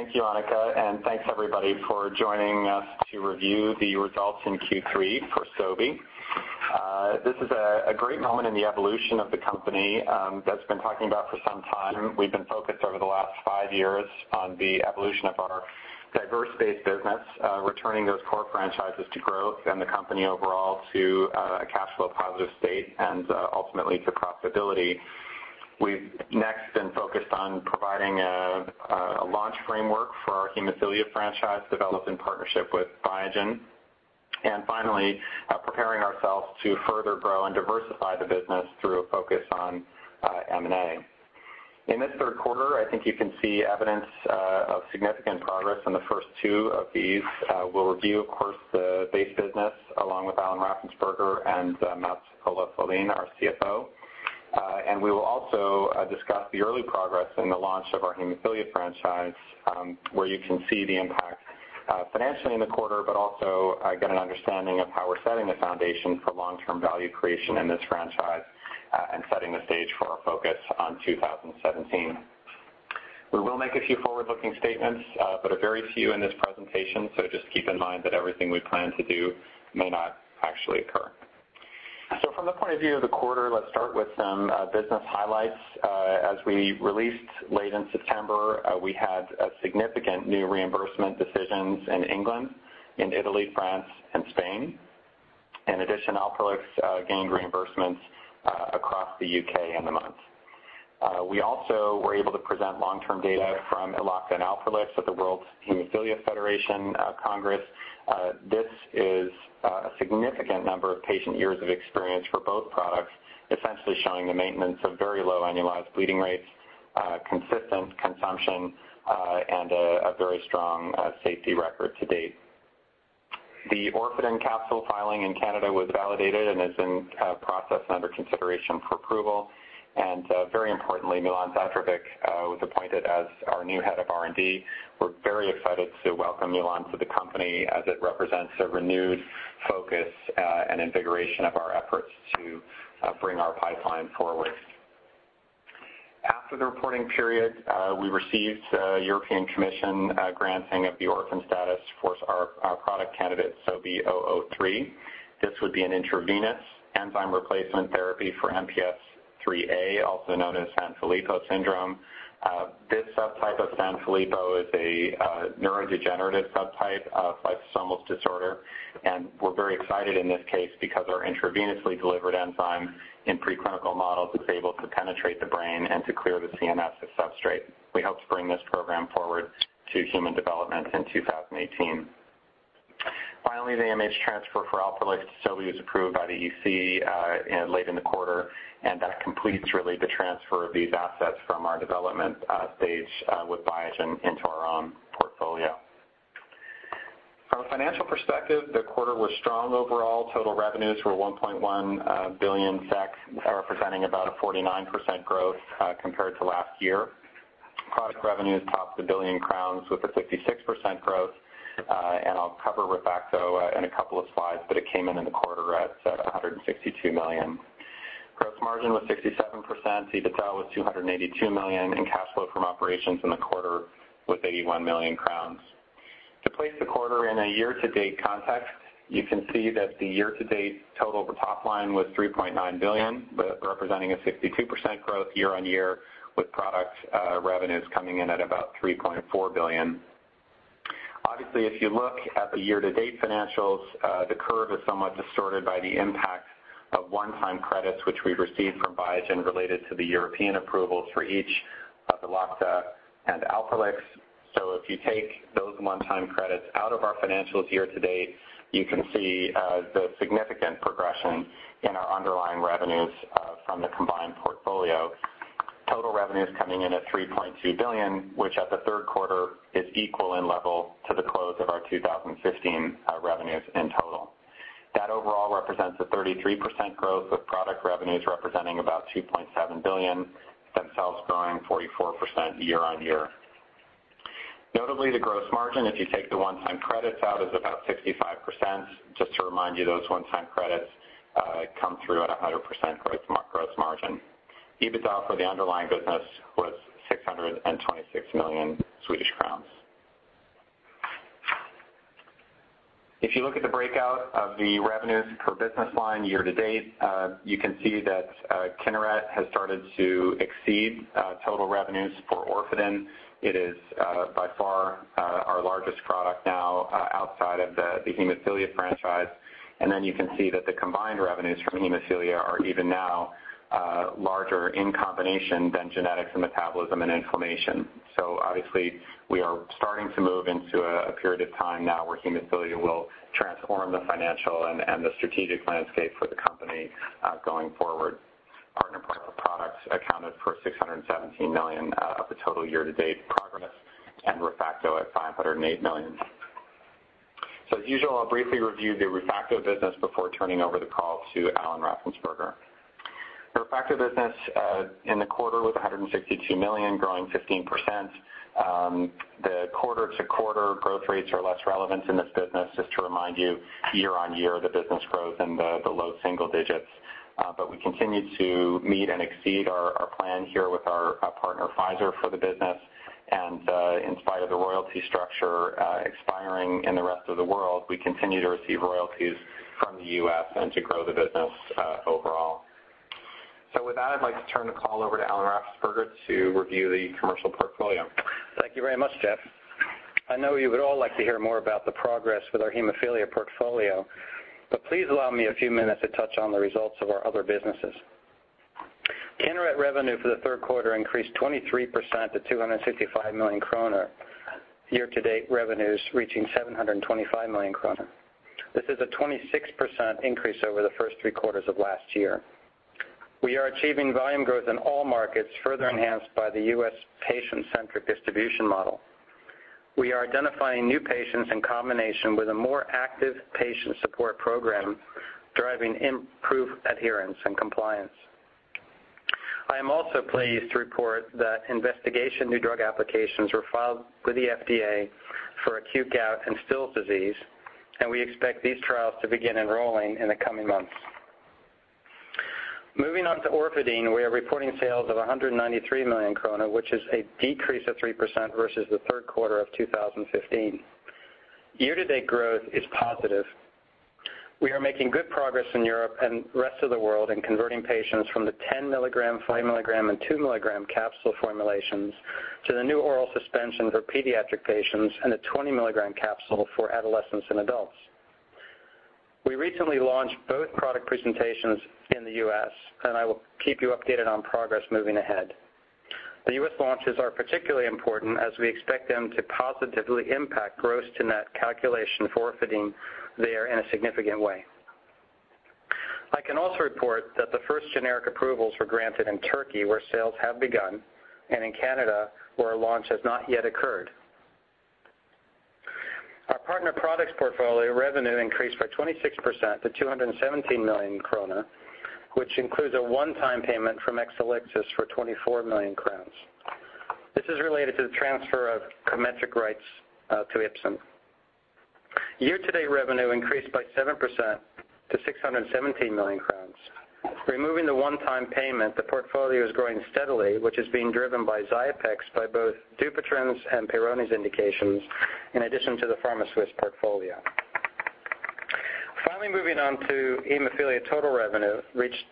Thank you, Annika, and thanks everybody for joining us to review the results in Q3 for Sobi. This is a great moment in the evolution of the company that's been talking about for some time. We've been focused over the last 5 years on the evolution of our diverse base business, returning those core franchises to growth and the company overall to a cash flow positive state and ultimately to profitability. We've next been focused on providing a launch framework for our hemophilia franchise developed in partnership with Biogen. Finally, preparing ourselves to further grow and diversify the business through a focus on M&A. In this 3rd quarter, I think you can see evidence of significant progress in the first 2 of these. We'll review, of course, the base business along with Alan Raffensperger and Mats-Olof Wallin, our CFO. We will also discuss the early progress in the launch of our hemophilia franchise, where you can see the impact financially in the quarter, but also get an understanding of how we're setting the foundation for long-term value creation in this franchise and setting the stage for our focus on 2017. We will make a few forward-looking statements, but are very few in this presentation, so just keep in mind that everything we plan to do may not actually occur. From the point of view of the quarter, let's start with some business highlights. As we released late in September, we had significant new reimbursement decisions in England, in Italy, France, and Spain. In addition, ALPROLIX gained reimbursements across the U.K. in the month. We also were able to present long-term data from ELOCTA and ALPROLIX at the World Federation of Hemophilia World Congress. This is a significant number of patient years of experience for both products, essentially showing the maintenance of very low annualized bleeding rates, consistent consumption, and a very strong safety record to date. The Orfadin capsule filing in Canada was validated and is in process and under consideration for approval. Very importantly, Milan Zdravkovic was appointed as our new head of R&D. We're very excited to welcome Milan to the company as it represents a renewed focus and invigoration of our efforts to bring our pipeline forward. After the reporting period, we received European Commission granting of the orphan status for our product candidate, SOBI003. This would be an intravenous enzyme replacement therapy for MPS IIIA, also known as Sanfilippo syndrome. This subtype of Sanfilippo is a neurodegenerative subtype of lysosomal disorder, and we're very excited in this case because our intravenously delivered enzyme in pre-clinical models is able to penetrate the brain and to clear the CNS of substrate. We hope to bring this program forward to human development in 2018. The MAH transfer for ALPROLIX to Sobi was approved by the EC late in the quarter, and that completes really the transfer of these assets from our development stage with Biogen into our own portfolio. From a financial perspective, the quarter was strong overall. Total revenues were 1.1 billion SEK, representing about a 49% growth compared to last year. Product revenues topped 1 billion crowns with a 56% growth. I'll cover ReFacto in a couple of slides, but it came in in the quarter at 162 million. Gross margin was 67%, EBITDA was 282 million, and cash flow from operations in the quarter was 81 million crowns. To place the quarter in a year-to-date context, you can see that the year-to-date total top line was 3.9 billion, representing a 62% growth year-on-year, with product revenues coming in at about 3.4 billion. Obviously, if you look at the year-to-date financials, the curve is somewhat distorted by the impact of one-time credits which we received from Biogen related to the European approvals for each of the ELOCTA and ALPROLIX. If you take those one-time credits out of our financials year-to-date, you can see the significant progression in our underlying revenues from the combined portfolio. Total revenues coming in at 3.2 billion, which at the third quarter is equal in level to the close of our 2015 revenues in total. That overall represents a 33% growth, with product revenues representing about 2.7 billion, themselves growing 44% year-on-year. Notably, the gross margin, if you take the one-time credits out, is about 65%. Just to remind you, those one-time credits come through at 100% gross margin. EBITDA for the underlying business was 626 million Swedish crowns. If you look at the breakout of the revenues per business line year-to-date, you can see that KINERET has started to exceed total revenues for Orfadin. It is by far our largest product now outside of the hemophilia franchise. Then you can see that the combined revenues from hemophilia are even now larger in combination than genetics and metabolism and inflammation. Obviously, we are starting to move into a period of time now where hemophilia will transform the financial and the strategic landscape for the company going forward. Partner products accounted for SEK 617 million of the total year-to-date progress and ReFacto at 508 million. As usual, I'll briefly review the ReFacto business before turning over the call to Alan Raffensperger. The ReFacto business in the quarter was 162 million, growing 15%. The quarter-to-quarter growth rates are less relevant in this business. Just to remind you, year-on-year, the business grows in the low single digits. We continue to meet and exceed our plan here with our partner, Pfizer, for the business. In spite of the royalty structure expiring in the rest of the world, we continue to receive royalties from the U.S. and to grow the business overall. With that, I'd like to turn the call over to Alan Raffensperger to review the commercial portfolio. Thank you very much, Jeff. I know you would all like to hear more about the progress with our hemophilia portfolio, please allow me a few minutes to touch on the results of our other businesses. KINERET revenue for the third quarter increased 23% to 265 million kronor. Year-to-date revenues reaching 725 million kronor. This is a 26% increase over the first three quarters of last year. We are achieving volume growth in all markets, further enhanced by the U.S. patient-centric distribution model. We are identifying new patients in combination with a more active patient support program, driving improved adherence and compliance. I am also pleased to report that investigational new drug applications were filed with the FDA for acute gout and Still's disease, We expect these trials to begin enrolling in the coming months. Moving on to Orfadin, we are reporting sales of 193 million krona, which is a decrease of 3% versus the third quarter of 2015. Year-to-date growth is positive. We are making good progress in Europe and rest of the world in converting patients from the 10 milligram, five milligram, and two milligram capsule formulations to the new oral suspension for pediatric patients and a 20 milligram capsule for adolescents and adults. We recently launched both product presentations in the U.S., and I will keep you updated on progress moving ahead. The U.S. launches are particularly important as we expect them to positively impact gross to net calculation for Orfadin there in a significant way. I can also report that the first generic approvals were granted in Turkey, where sales have begun, and in Canada, where a launch has not yet occurred. Our partner products portfolio revenue increased by 26% to 217 million krona, which includes a one-time payment from Exelixis for 24 million crowns. This is related to the transfer of COMETRIQ rights to Ipsen. Year-to-date revenue increased by 7% to 617 million crowns. Removing the one-time payment, the portfolio is growing steadily, which is being driven by Xiapex, by both Dupuytren's and Peyronie's indications, in addition to the PharmaSwiss portfolio. Finally, moving on to hemophilia, total revenue reached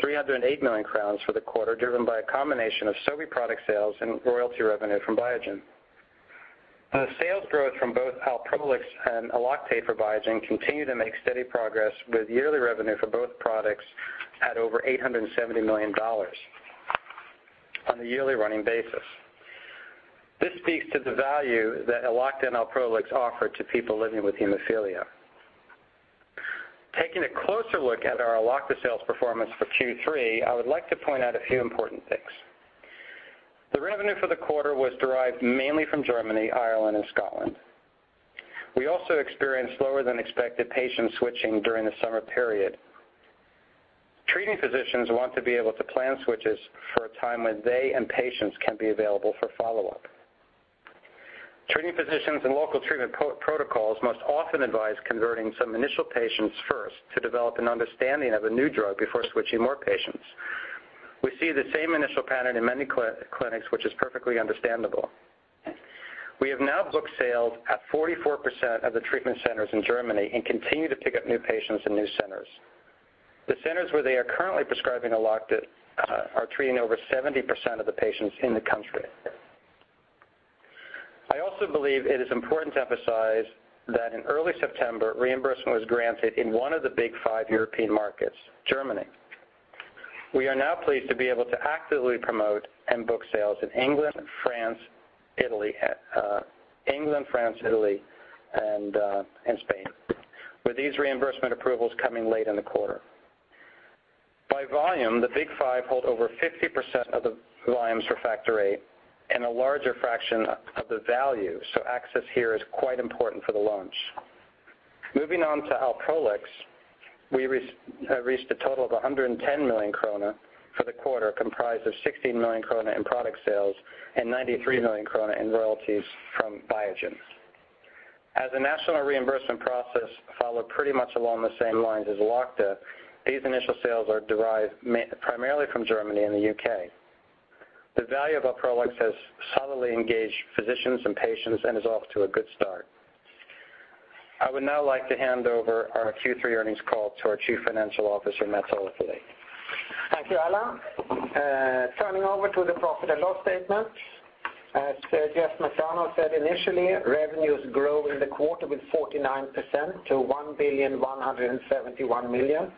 308 million crowns for the quarter, driven by a combination of Sobi product sales and royalty revenue from Biogen. The sales growth from both ALPROLIX and ELOCTA for Biogen continue to make steady progress with yearly revenue for both products at over $870 million on a yearly running basis. This speaks to the value that ELOCTA and ALPROLIX offer to people living with hemophilia. Taking a closer look at our ELOCTA sales performance for Q3, I would like to point out a few important things. The revenue for the quarter was derived mainly from Germany, Ireland, and Scotland. We also experienced lower than expected patient switching during the summer period. Treating physicians want to be able to plan switches for a time when they and patients can be available for follow-up. Treating physicians and local treatment protocols must often advise converting some initial patients first to develop an understanding of a new drug before switching more patients. We see the same initial pattern in many clinics, which is perfectly understandable. We have now booked sales at 44% of the treatment centers in Germany and continue to pick up new patients in new centers. The centers where they are currently prescribing ELOCTA are treating over 70% of the patients in the country. I also believe it is important to emphasize that in early September, reimbursement was granted in one of the big five European markets, Germany. We are now pleased to be able to actively promote and book sales in England, France, Italy, and Spain, with these reimbursement approvals coming late in the quarter. By volume, the big five hold over 50% of the volumes for factor VIII and a larger fraction of the value, so access here is quite important for the launch. Moving on to ALPROLIX, we reached a total of 110 million krona for the quarter, comprised of 16 million krona in product sales and 93 million krona in royalties from Biogen. As a national reimbursement process followed pretty much along the same lines as ELOCTA, these initial sales are derived primarily from Germany and the U.K. The value of ALPROLIX has solidly engaged physicians and patients and is off to a good start. I would now like to hand over our Q3 earnings call to our Chief Financial Officer, Mats-Olof Wallin. Thank you, Alan. Turning over to the profit and loss statement, as Jeff Mesano said initially, revenues grow in the quarter with 49% to 1,171 million.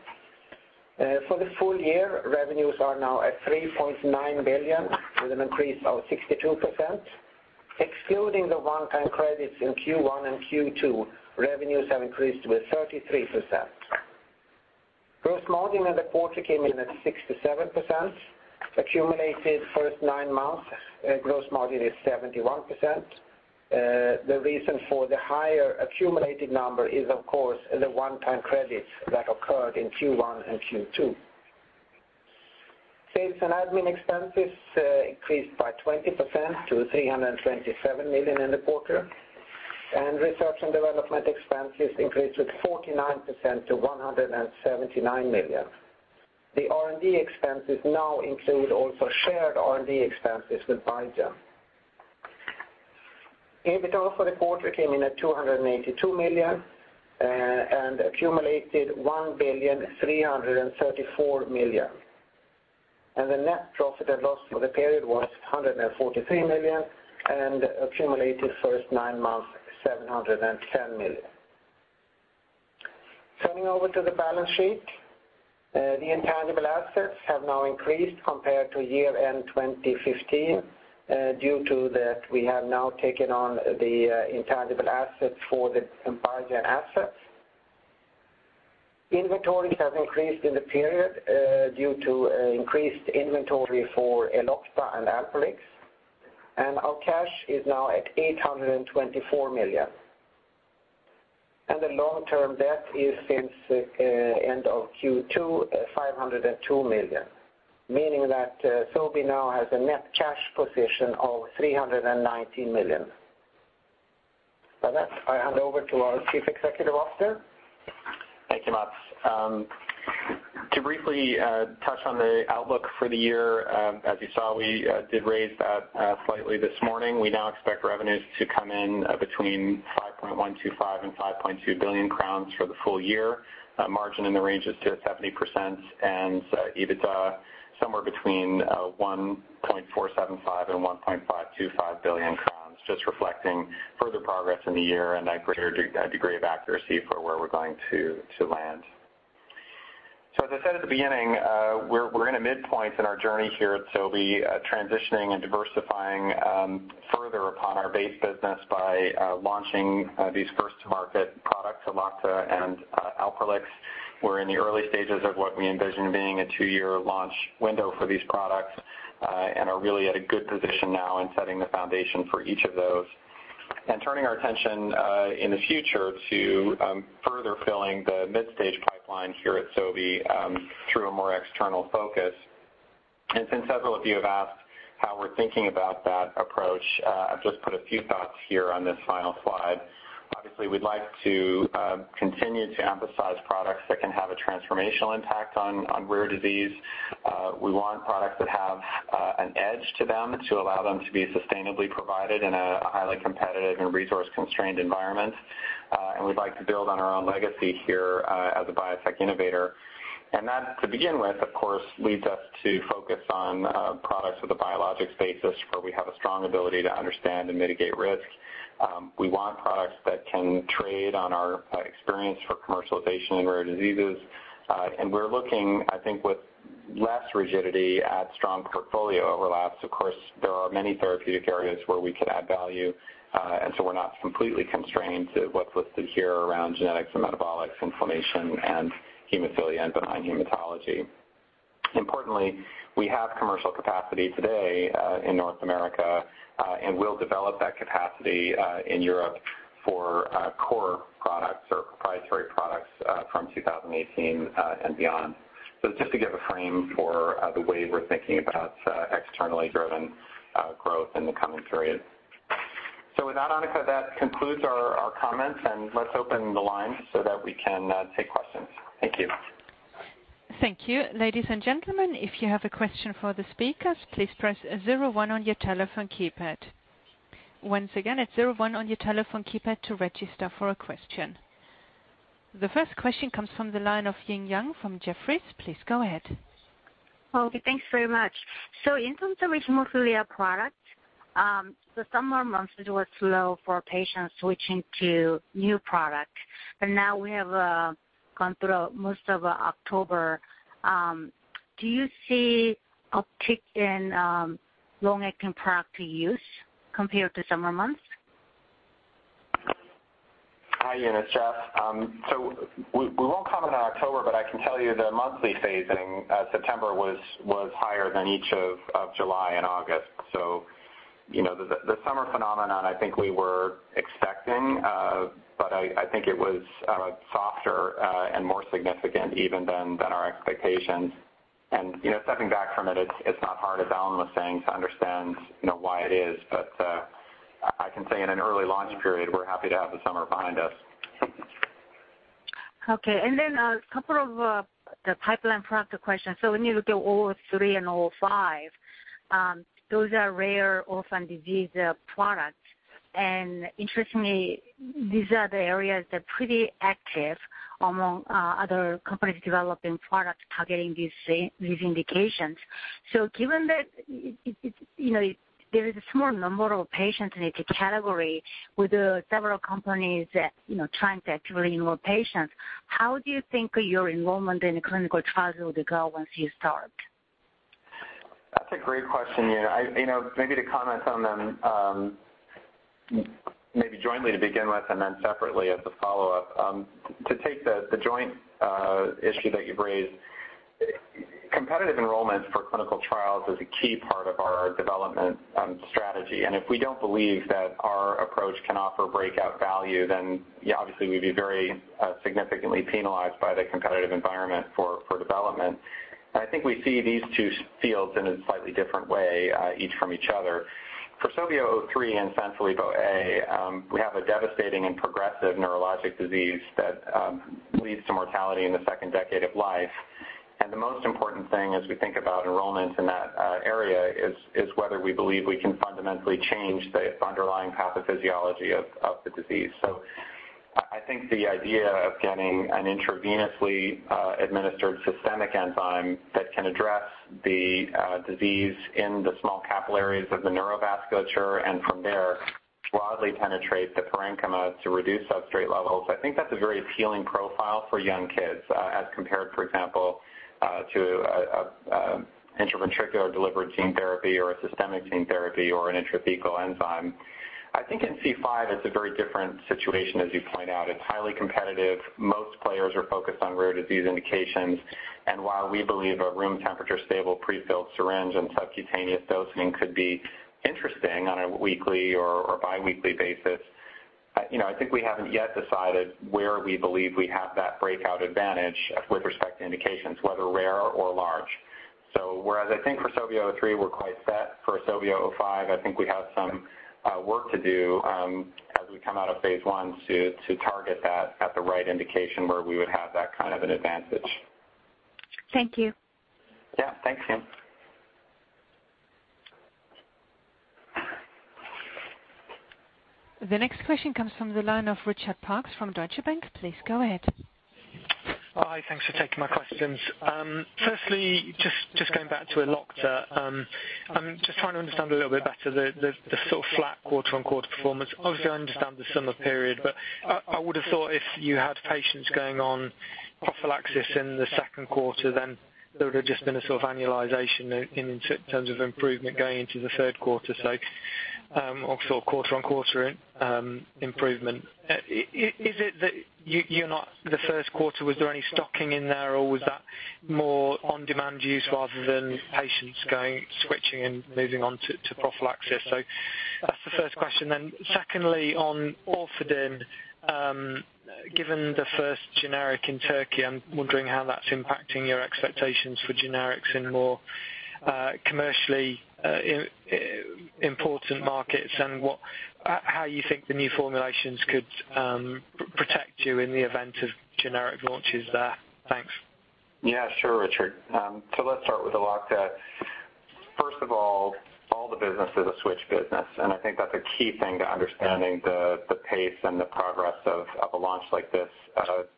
For the full year, revenues are now at 3.9 billion with an increase of 62%. Excluding the one-time credits in Q1 and Q2, revenues have increased with 33%. Gross margin in the quarter came in at 67%. Accumulated first nine months, gross margin is 71%. The reason for the higher accumulated number is, of course, the one-time credits that occurred in Q1 and Q2. Sales and admin expenses increased by 20% to 327 million in the quarter, and research and development expenses increased with 49% to 179 million. The R&D expenses now include also shared R&D expenses with Biogen. EBIT also for the quarter came in at 282 million and accumulated 1,334 million. The net profit and loss for the period was 143 million and accumulated first nine months, 710 million. Turning over to the balance sheet. The intangible assets have now increased compared to year-end 2015, due to that we have now taken on the intangible assets for the EMPLICITI assets. Inventories have increased in the period, due to increased inventory for ELOCTA and ALPROLIX. Our cash is now at 824 million. The long-term debt is since end of Q2, 502 million, meaning that Sobi now has a net cash position of 319 million. With that, I hand over to our Chief Executive Officer. Thank you, Mats. To briefly touch on the outlook for the year, as you saw, we did raise that slightly this morning. We now expect revenues to come in between 5.125 billion-5.2 billion crowns for the full year. Margin in the ranges to 70% and EBITDA somewhere between 1.475 billion-1.525 billion crowns, just reflecting further progress in the year and a greater degree of accuracy for where we're going to land. As I said at the beginning, we're in a midpoint in our journey here at Sobi, transitioning and diversifying further upon our base business by launching these first-to-market products, ELOCTA and ALPROLIX. We're in the early stages of what we envision being a two-year launch window for these products, and are really at a good position now in setting the foundation for each of those. Turning our attention, in the future, to further filling the mid-stage pipeline here at Sobi, through a more external focus. Since several of you have asked how we are thinking about that approach, I have just put a few thoughts here on this final slide. Obviously, we would like to continue to emphasize products that can have a transformational impact on rare disease. We want products that have an edge to them to allow them to be sustainably provided in a highly competitive and resource-constrained environment. We would like to build on our own legacy here, as a biotech innovator. That, to begin with, of course, leads us to focus on products with a biologic status where we have a strong ability to understand and mitigate risk. We want products that can trade on our experience for commercialization in rare diseases. We are looking, I think with less rigidity at strong portfolio overlaps. Of course, there are many therapeutic areas where we could add value. We are not completely constrained to what is listed here around genetics and metabolics, inflammation and hemophilia and benign hematology. Importantly, we have commercial capacity today, in North America, and we will develop that capacity in Europe for core products or proprietary products, from 2018 and beyond. It is just to give a frame for the way we are thinking about externally driven growth in the coming period. With that, Annika, that concludes our comments, and let's open the line so that we can take questions. Thank you. Thank you. Ladies and gentlemen, if you have a question for the speakers, please press zero one on your telephone keypad. Once again, it is zero one on your telephone keypad to register for a question. The first question comes from the line of Ying Yang from Jefferies. Please go ahead. Thanks very much. In terms of hemophilia product, the summer months, it was slow for patients switching to new product. Now we have gone through most of October. Do you see a tick in long-acting product use compared to summer months? Hi, Ying. It's Jeff. We won't comment on October, but I can tell you the monthly phasing, September was higher than each of July and August. The summer phenomenon, I think we were expecting, but I think it was softer and more significant even than our expectations. Stepping back from it's not hard, as Alan was saying, to understand why it is. I can say in an early launch period, we're happy to have the summer behind us. A couple of the pipeline product questions. When you look at SOBI-003 and SOBI005, those are rare orphan disease products. Interestingly, these are the areas that pretty active among other companies developing products targeting these indications. Given that there is a small number of patients in each category with several companies trying to enroll patients, how do you think your enrollment in the clinical trials will go once you start? That's a great question, Ying. Maybe to comment on them, maybe jointly to begin with and then separately as a follow-up. To take the joint issue that you've raised, competitive enrollments for clinical trials is a key part of our development strategy. If we don't believe that our approach can offer breakout value, then obviously we'd be very significantly penalized by the competitive environment for development. I think we see these two fields in a slightly different way, each from each other. For SOBI003 and Sanfilippo A, we have a devastating and progressive neurologic disease that leads to mortality in the second decade of life. The most important thing as we think about enrollment in that area is whether we believe we can fundamentally change the underlying pathophysiology of the disease. I think the idea of getting an intravenously administered systemic enzyme that can address the disease in the small capillaries of the neurovasculature and from there broadly penetrate the parenchyma to reduce substrate levels, I think that's a very appealing profile for young kids as compared, for example, to a intraventricular delivered gene therapy or a systemic gene therapy or an intrathecal enzyme. I think in C5 it's a very different situation, as you point out. It's highly competitive. Most players are focused on rare disease indications, and while we believe a room temperature stable prefilled syringe and subcutaneous dosing could be interesting on a weekly or biweekly basis, I think we haven't yet decided where we believe we have that breakout advantage with respect to indications, whether rare or large. Whereas I think for SOBI003, we're quite set. For SOBI005, I think we have some work to do as we come out of phase I to target that at the right indication where we would have that kind of an advantage. Thank you. Yeah. Thanks, Ying. The next question comes from the line of Richard Parkes from Deutsche Bank. Please go ahead. Hi. Thanks for taking my questions. Firstly, just going back to ELOCTA. I am just trying to understand a little bit better the sort of flat quarter-on-quarter performance. Obviously, I understand the summer period, but I would've thought if you had patients going on prophylaxis in the second quarter, then there would've just been a sort of annualization in terms of improvement going into the third quarter. Also quarter-on-quarter improvement. Is it that the first quarter, was there any stocking in there, or was that more on-demand use rather than patients switching and moving on to prophylaxis? That's the first question. Secondly, on Orfadin, given the first generic in Turkey, I am wondering how that's impacting your expectations for generics in more commercially important markets and how you think the new formulations could protect you in the event of generic launches there. Thanks. Sure, Richard. Let's start with ELOCTA. First of all the business is a switch business, and I think that's a key thing to understanding the pace and the progress of a launch like this.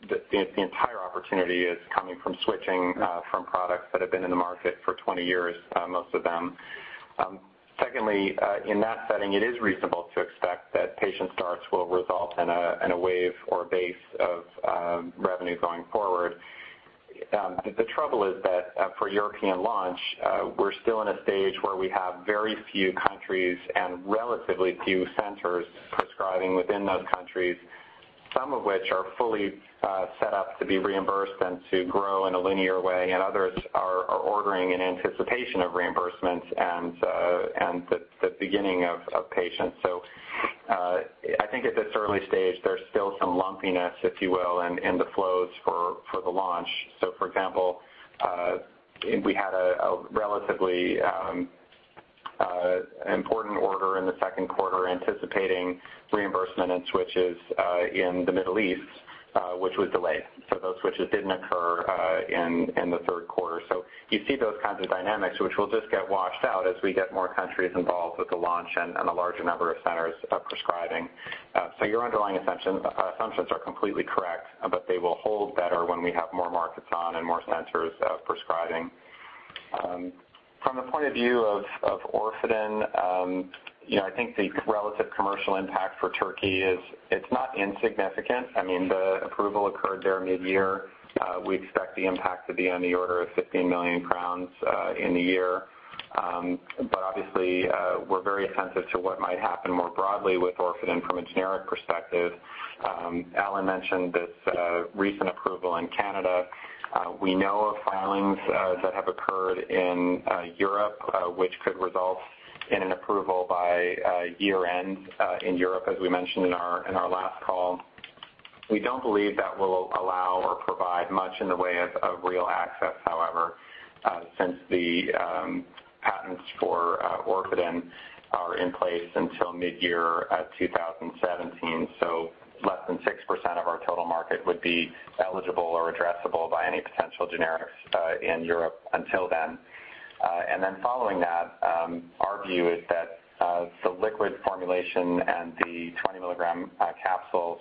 The entire opportunity is coming from switching from products that have been in the market for 20 years, most of them. Secondly, in that setting, it is reasonable to expect that patient starts will result in a wave or a base of revenue going forward. The trouble is that for European launch, we're still in a stage where we have very few countries and relatively few centers prescribing within those countries, some of which are fully set up to be reimbursed and to grow in a linear way, and others are ordering in anticipation of reimbursements and the beginning of patients. I think at this early stage, there's still some lumpiness, if you will, in the flows for the launch. For example, we had a relatively important order in the second quarter anticipating reimbursement and switches in the Middle East, which was delayed. Those switches didn't occur in the third quarter. You see those kinds of dynamics, which will just get washed out as we get more countries involved with the launch and a larger number of centers prescribing. Your underlying assumptions are completely correct, but they will hold better when we have more markets on and more centers prescribing. From the point of view of Orfadin, I think the relative commercial impact for Turkey, it's not insignificant. The approval occurred there midyear. We expect the impact to be on the order of 15 million crowns in the year. Obviously, we're very attentive to what might happen more broadly with Orfadin from a generic perspective. Alan mentioned this recent approval in Canada. We know of filings that have occurred in Europe, which could result in an approval by year end in Europe, as we mentioned in our last call. We don't believe that will allow or provide much in the way of real access, however, since the patents for Orfadin are in place until mid-year 2017. Less than 6% of our total market would be eligible or addressable by any potential generics in Europe until then. Following that, our view is that the liquid formulation and the 20 milligram capsules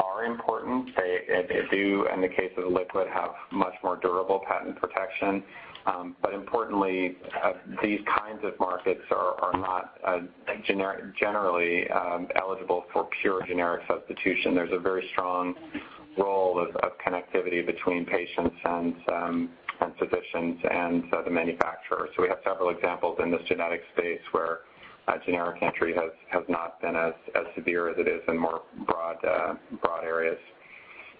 are important. They do, in the case of the liquid, have much more durable patent protection. Importantly, these kinds of markets are not generally eligible for pure generic substitution. There's a very strong role of connectivity between patients and physicians and the manufacturer. We have several examples in this genetic space where generic entry has not been as severe as it is in more broad areas.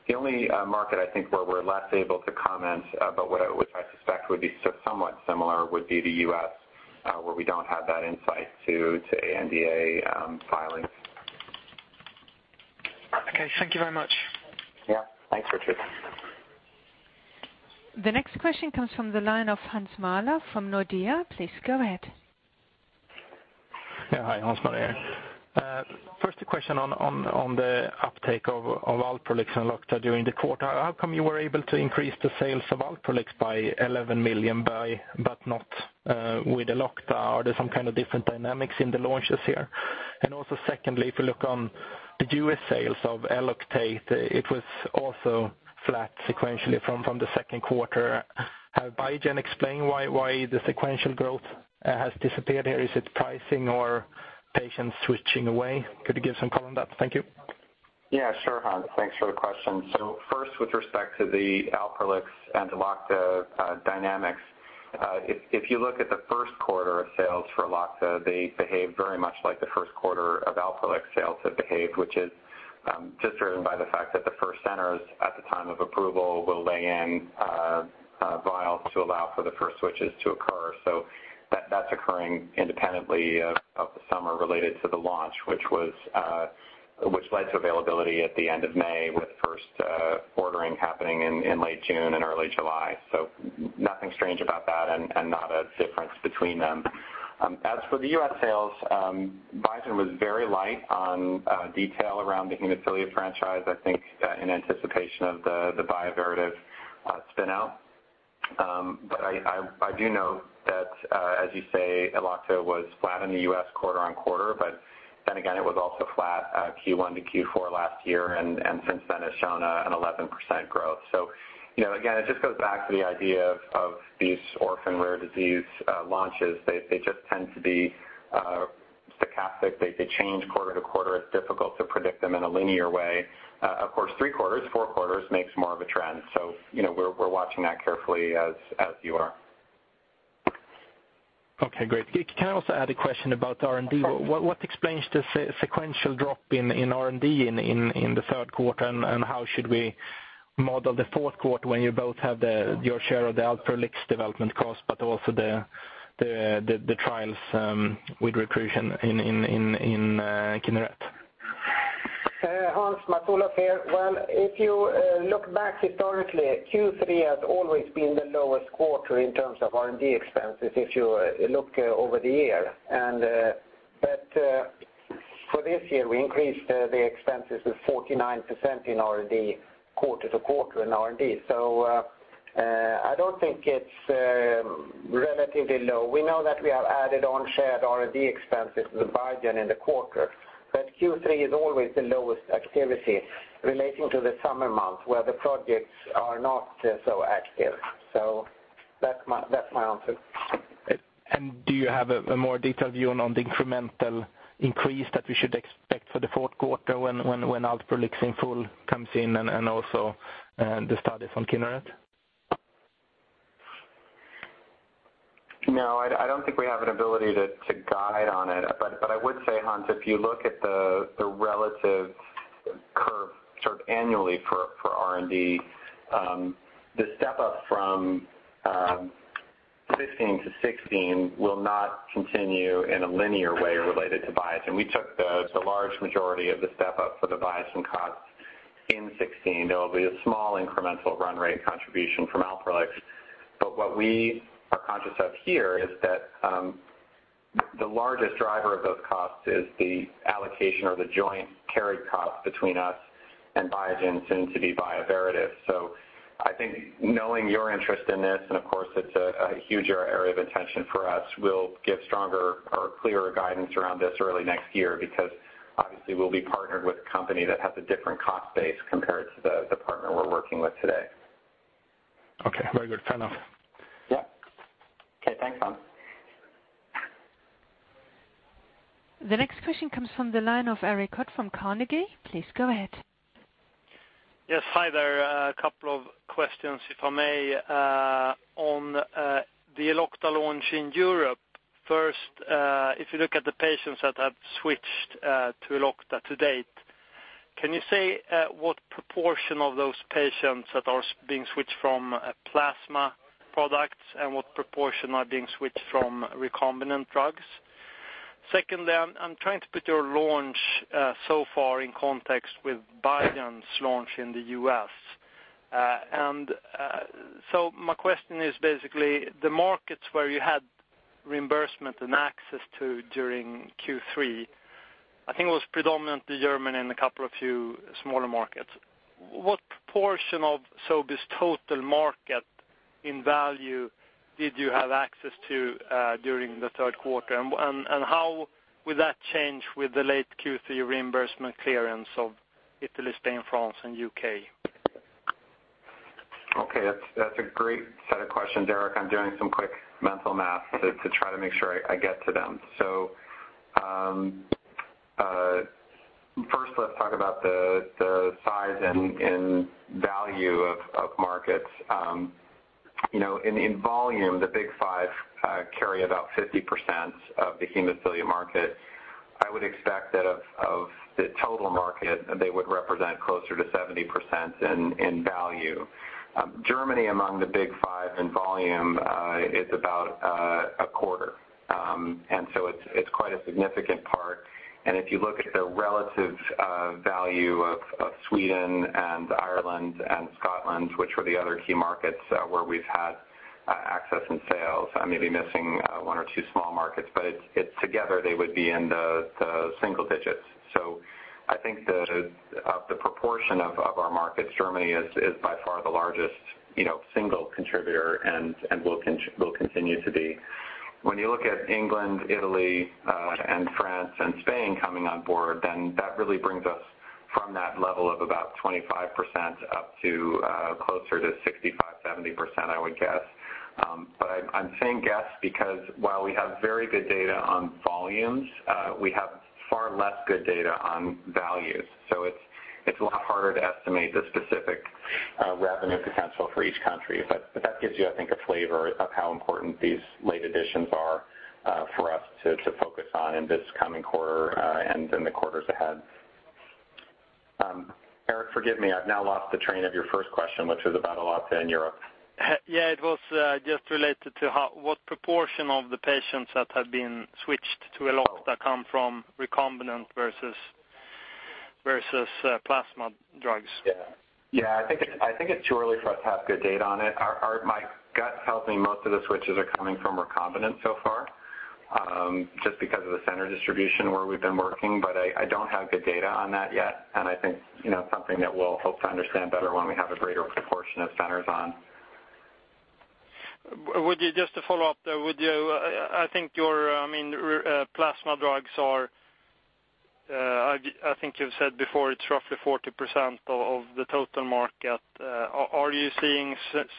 The only market I think where we're less able to comment, but which I suspect would be somewhat similar, would be the U.S. where we don't have that insight to NDA filings. Okay, thank you very much. Yeah. Thanks, Richard. The next question comes from the line of Hans Mahler from Nordea. Please go ahead. Yeah. Hi, Hans Mahler here. First question on the uptake of ALPROLIX and ELOCTA during the quarter. How come you were able to increase the sales of ALPROLIX by 11 million but not with ELOCTA? Are there some kind of different dynamics in the launches here? Secondly, if you look on the U.S. sales of ELOCTA, it was also flat sequentially from the second quarter. Have Biogen explained why the sequential growth has disappeared here? Is it pricing or patients switching away? Could you give some color on that? Thank you. Yeah, sure, Hans. Thanks for the question. First, with respect to the ALPROLIX and ELOCTA dynamics, if you look at the first quarter of sales for ELOCTA, they behave very much like the first quarter of ALPROLIX sales have behaved, which is just driven by the fact that the first centers at the time of approval will lay in vials to allow for the first switches to occur. That's occurring independently of the summer related to the launch, which led to availability at the end of May, with first ordering happening in late June and early July. Nothing strange about that and not a difference between them. As for the U.S. sales, Biogen was very light on detail around the hemophilia franchise, I think in anticipation of the Bioverativ spin-out. I do know that, as you say, ELOCTA was flat in the U.S. quarter-over-quarter, but then again, it was also flat Q1 to Q4 last year and since then has shown an 11% growth. Again, it just goes back to the idea of these orphan rare disease launches. They just tend to be stochastic. They change quarter to quarter. It's difficult to predict them in a linear way. Of course, three quarters, four quarters makes more of a trend. We're watching that carefully as you are. Okay, great. Can I also add a question about R&D? What explains the sequential drop in R&D in the third quarter, and how should we model the fourth quarter when you both have your share of the ALPROLIX development cost but also the trials with recruitment in KINERET? Hans, Mats-Olof here. Well, if you look back historically, Q3 has always been the lowest quarter in terms of R&D expenses if you look over the year. For this year, we increased the expenses of 49% in R&D quarter-to-quarter in R&D. I don't think it's relatively low. We know that we have added on shared R&D expenses with Biogen in the quarter, but Q3 is always the lowest activity relating to the summer months where the projects are not so active. That's my answer. Do you have a more detailed view on the incremental increase that we should expect for the fourth quarter when ALPROLIX in full comes in and also the studies on KINERET? No, I don't think we have an ability to guide on it. I would say, Hans, if you look at the relative curve sort of annually for R&D, the step-up from 2015 to 2016 will not continue in a linear way related to Biogen. We took the large majority of the step-up for the Biogen cuts in 2016. There will be a small incremental run rate contribution from ALPROLIX. What we are conscious of here is that the largest driver of those costs is the allocation or the joint carry costs between us and Biogen soon to be Bioverativ. I think knowing your interest in this, and of course it's a huge area of attention for us, we'll give stronger or clearer guidance around this early next year because obviously we'll be partnered with a company that has a different cost base compared to the partner we're working with today. Okay. Very good. Fair enough. Yeah. Okay, thanks, Hans. The next question comes from the line of Erik Hod from Carnegie. Please go ahead. Yes. Hi there. A couple of questions, if I may, on the ELOCTA launch in Europe. First, if you look at the patients that have switched to ELOCTA to date, can you say what proportion of those patients that are being switched from plasma products and what proportion are being switched from recombinant drugs? Secondly, I'm trying to put your launch so far in context with Biogen's launch in the U.S. My question is basically the markets where you had reimbursement and access to during Q3, I think it was predominantly German and a couple of few smaller markets. What proportion of Sobi's total market in value did you have access to during the third quarter? How will that change with the late Q3 reimbursement clearance of Italy, Spain, France and U.K.? Okay. That's a great set of questions, Erik. I'm doing some quick mental math to try to make sure I get to them. First, let's talk about the size and value of markets. In volume, the big five carry about 50% of the hemophilia market. I would expect that of the total market, they would represent closer to 70% in value. Germany, among the big five in volume, it's quite a significant part. If you look at the relative value of Sweden and Ireland and Scotland, which were the other key markets where we've had access and sales, I may be missing one or two small markets, but together they would be in the single digits. I think of the proportion of our markets, Germany is by far the largest single contributor and will continue to be. When you look at England, Italy, and France and Spain coming on board, that really brings us from that level of about 25% up to closer to 65%, 70%, I would guess. I'm saying guess because while we have very good data on volumes, we have far less good data on values. It's a lot harder to estimate the specific revenue potential for each country. That gives you, I think, a flavor of how important these late additions are for us to focus on in this coming quarter and in the quarters ahead. Erik, forgive me, I've now lost the train of your first question, which was about ELOCTA in Europe. Yeah, it was just related to what proportion of the patients that have been switched to ELOCTA come from recombinant versus plasma drugs. Yeah. I think it's too early for us to have good data on it. My gut tells me most of the switches are coming from recombinant so far, just because of the center distribution where we've been working. I don't have good data on that yet, and I think it's something that we'll hope to understand better when we have a greater proportion of centers on. Just to follow up, I think your plasma drugs are, you've said before, it's roughly 40% of the total market. Are you seeing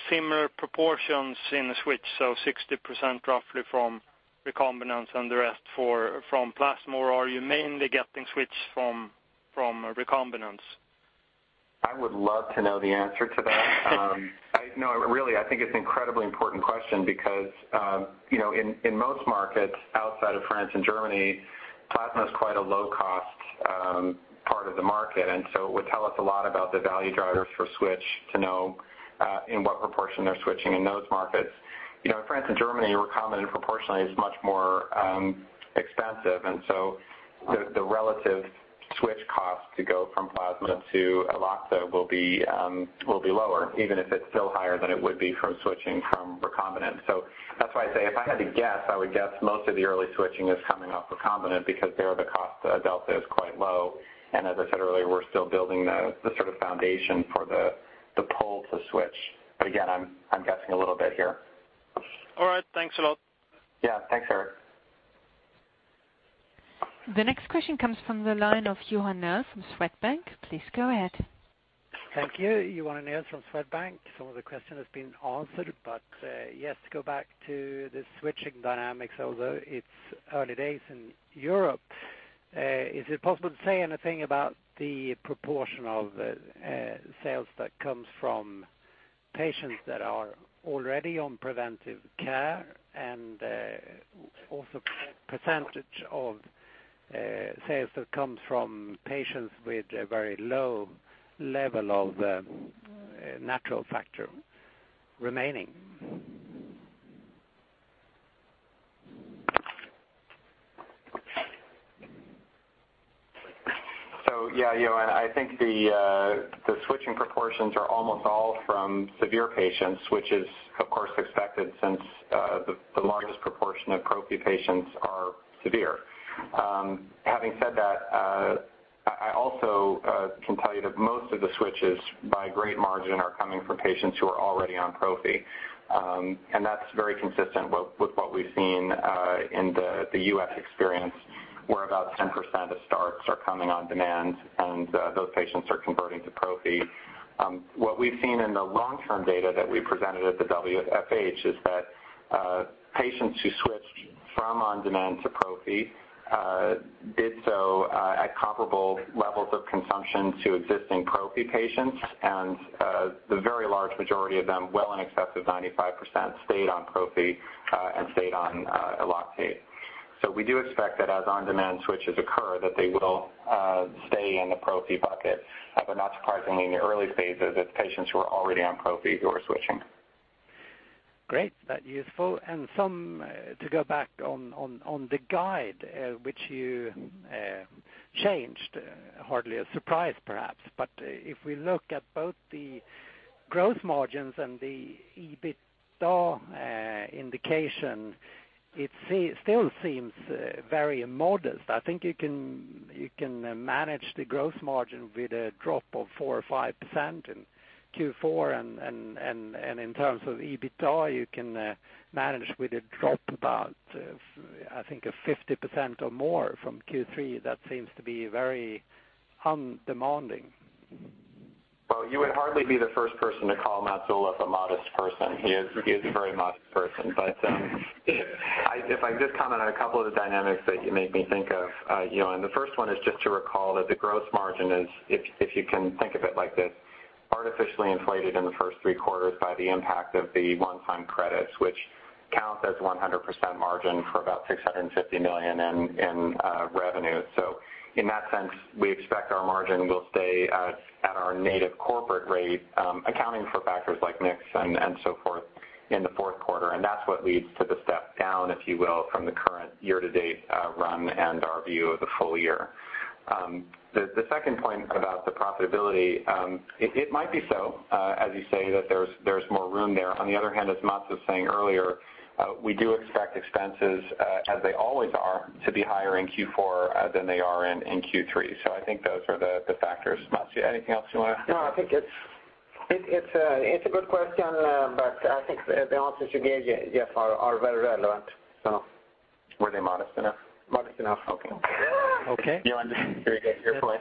similar proportions in the switch, so 60% roughly from recombinants and the rest from plasma, or are you mainly getting switch from recombinants? I would love to know the answer to that. No, really, I think it's incredibly important question because in most markets outside of France and Germany, plasma is quite a low-cost part of the market, it would tell us a lot about the value drivers for switch to know in what proportion they're switching in those markets. France and Germany recombinant proportionally, is much more expensive. The relative switch cost to go from plasma to ELOCTA will be lower, even if it's still higher than it would be from switching from recombinant. That's why I say if I had to guess, I would guess most of the early switching is coming off recombinant because there the cost delta is quite low. As I said earlier, we're still building the foundation for the pull to switch. Again, I'm guessing a little bit here. All right. Thanks a lot. Yeah. Thanks, Erik. The next question comes from the line of Johan Nilson from Swedbank. Please go ahead. Thank you. Johan Nilson from Swedbank. Some of the question has been answered. To go back to the switching dynamics, although it's early days in Europe, is it possible to say anything about the proportion of sales that comes from patients that are already on preventive care and also % of sales that comes from patients with a very low level of natural factor remaining? Yeah, Johan, I think the switching proportions are almost all from severe patients, which is, of course, expected since the largest proportion of Prophy patients are severe. Having said that, I also can tell you that most of the switches by a great margin are coming from patients who are already on Prophy. That's very consistent with what we've seen in the U.S. experience, where about 10% of starts are coming on-demand and those patients are converting to Prophy. What we've seen in the long-term data that we presented at the WFH is that patients who switched from on-demand to Prophy did so at comparable levels of consumption to existing Prophy patients. The very large majority of them, well in excess of 95%, stayed on Prophy and stayed on Elocta. We do expect that as on-demand switches occur, that they will stay in the Prophy bucket. Not surprisingly, in the early phases, it's patients who are already on Prophy who are switching. Great. That's useful. To go back on the guide, which you changed, hardly a surprise, perhaps. If we look at both the gross margins and the EBITDA indication, it still seems very modest. I think you can manage the gross margin with a drop of 4% or 5% in Q4 and in terms of EBITDA, you can manage with a drop about, I think, a 50% or more from Q3. That seems to be very undemanding. Well, you would hardly be the first person to call Mats-Olof a modest person. He is a very modest person. If I just comment on a couple of the dynamics that you made me think of, Johan. The first one is just to recall that the gross margin is, if you can think of it like this, artificially inflated in the first three quarters by the impact of the one-time credits, which count as 100% margin for about 650 million in revenue. In that sense, we expect our margin will stay at our native corporate rate, accounting for factors like mix and so forth in the fourth quarter. That's what leads to the step down, if you will, from the current year-to-date run and our view of the full year. The second point about the profitability, it might be so, as you say that there's more room there. On the other hand, as Mats was saying earlier, we do expect expenses, as they always are, to be higher in Q4 than they are in Q3. I think those are the factors. Mats, anything else you want to add? No, I think it's a good question, I think the answers you gave, Jeff, are very relevant. Were they modest enough? Modest enough. Okay. Okay. Johan, you're good. Your play.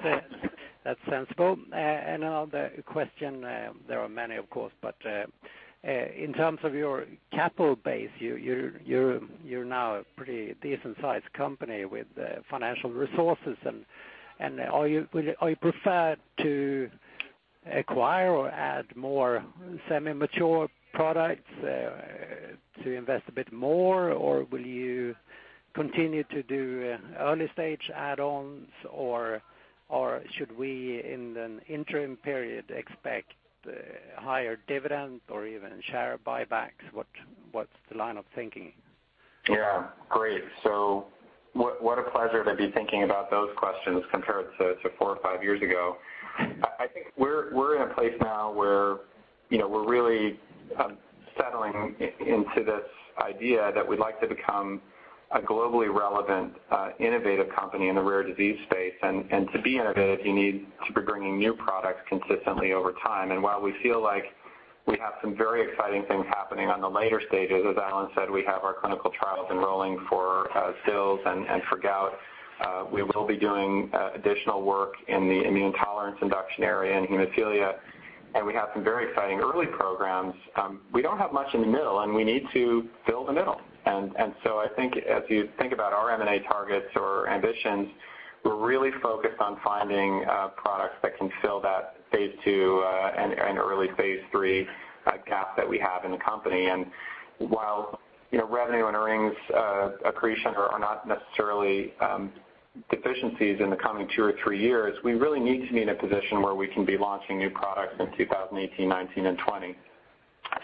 That's sensible. Another question, there are many, of course, but in terms of your capital base, you're now a pretty decent-sized company with financial resources. Are you preferred to acquire or add more semi-mature products to invest a bit more, or will you continue to do early-stage add-ons? Should we, in an interim period, expect higher dividend or even share buybacks? What's the line of thinking? Yeah. Great. What a pleasure to be thinking about those questions compared to four or five years ago. I think we are in a place now where we are really settling into this idea that we would like to become a globally relevant, innovative company in the rare disease space. To be innovative, you need to be bringing new products consistently over time. While we feel like we have some very exciting things happening on the later stages, as Alan said, we have our clinical trials enrolling for Still's and for gout. We will be doing additional work in the immune tolerance induction area in hemophilia, and we have some very exciting early programs. We do not have much in the middle, and we need to fill the middle. I think as you think about our M&A targets or ambitions, we are really focused on finding products that can fill that phase II, and early phase III gap that we have in the company. While revenue and earnings accretion are not necessarily deficiencies in the coming two or three years, we really need to be in a position where we can be launching new products in 2018, 2019, and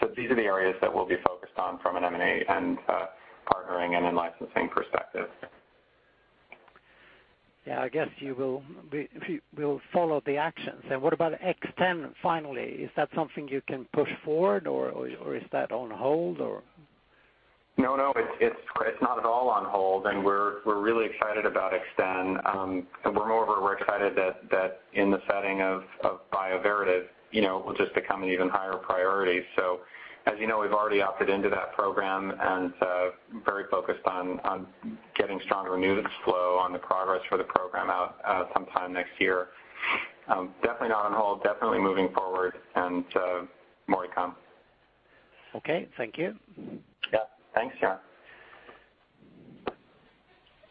2020. These are the areas that we will be focused on from an M&A and partnering and in-licensing perspective. Yeah, I guess we will follow the actions. What about BIVV009, finally? Is that something you can push forward or is that on hold or? No, it is not at all on hold, and we are really excited about BIVV009. Moreover, we are excited that in the setting of Bioverativ, will just become an even higher priority. As you know, we have already opted into that program and very focused on getting stronger news flow on the progress for the program out sometime next year. Definitely not on hold, definitely moving forward, and more to come. Okay. Thank you. Yeah. Thanks, Johan.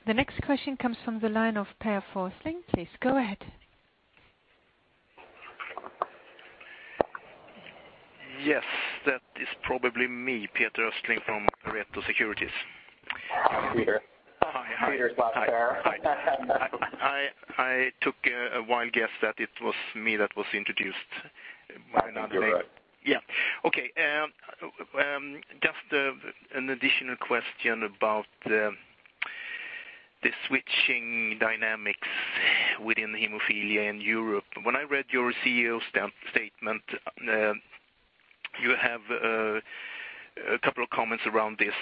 The next question comes from the line of Peter Forsling. Please go ahead. Yes, that is probably me, Peter Forsling from Pareto Securities. Peter. Hi. Peter's back there. I took a wild guess that it was me that was introduced. You're right. Yeah. Okay. Just an additional question about the switching dynamics within hemophilia in Europe. When I read your CEO statement, you have a couple of comments around this.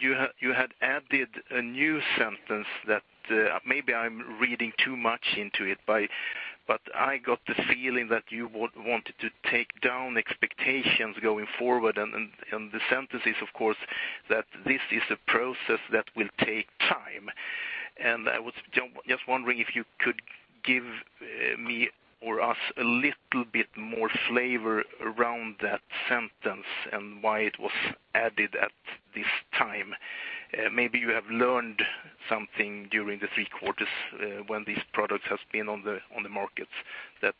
You had added a new sentence that maybe I'm reading too much into it, but I got the feeling that you wanted to take down expectations going forward. The sentence is, of course, that this is a process that will take time. I was just wondering if you could give me or us a little bit more flavor around that sentence and why it was added at this time. Maybe you have learned something during the three quarters when this product has been on the markets that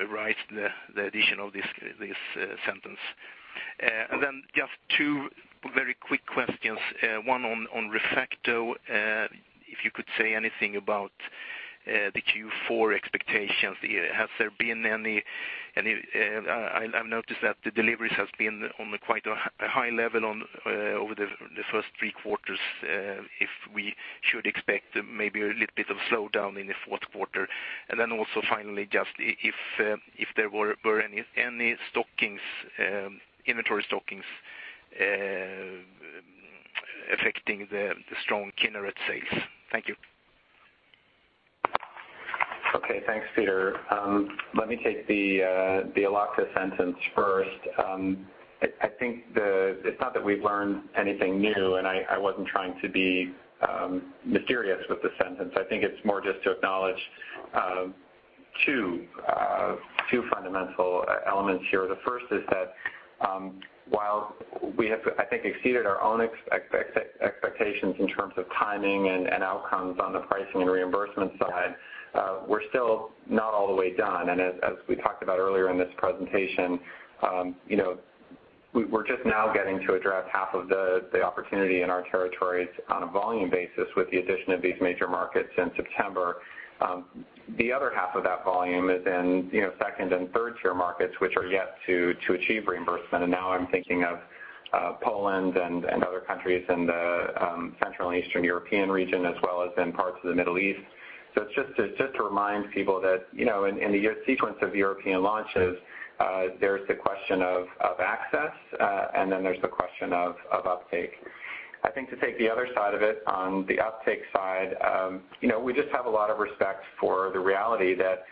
arose the addition of this sentence. Just two very quick questions. One on ReFacto, if you could say anything about the Q4 expectations. I've noticed that the deliveries has been on quite a high level over the first three quarters, if we should expect maybe a little bit of slowdown in the fourth quarter. Finally, just if there were any inventory stockings affecting the strong KINERET sales. Thank you. Okay. Thanks, Peter. Let me take the ELOCTA sentence first. I think it's not that we've learned anything new, and I wasn't trying to be mysterious with the sentence. I think it's more just to acknowledge two fundamental elements here. The first is that while we have, I think, exceeded our own expectations in terms of timing and outcomes on the pricing and reimbursement side, we're still not all the way done. As we talked about earlier in this presentation, you know, we're just now getting to address half of the opportunity in our territories on a volume basis with the addition of these major markets in September. The other half of that volume is in 2nd and 3rd-tier markets, which are yet to achieve reimbursement. Now I'm thinking of Poland and other countries in the Central and Eastern European region as well as in parts of the Middle East. It's just to remind people that in the sequence of European launches, there's the question of access, and then there's the question of uptake. I think to take the other side of it, on the uptake side, we just have a lot of respect for the reality that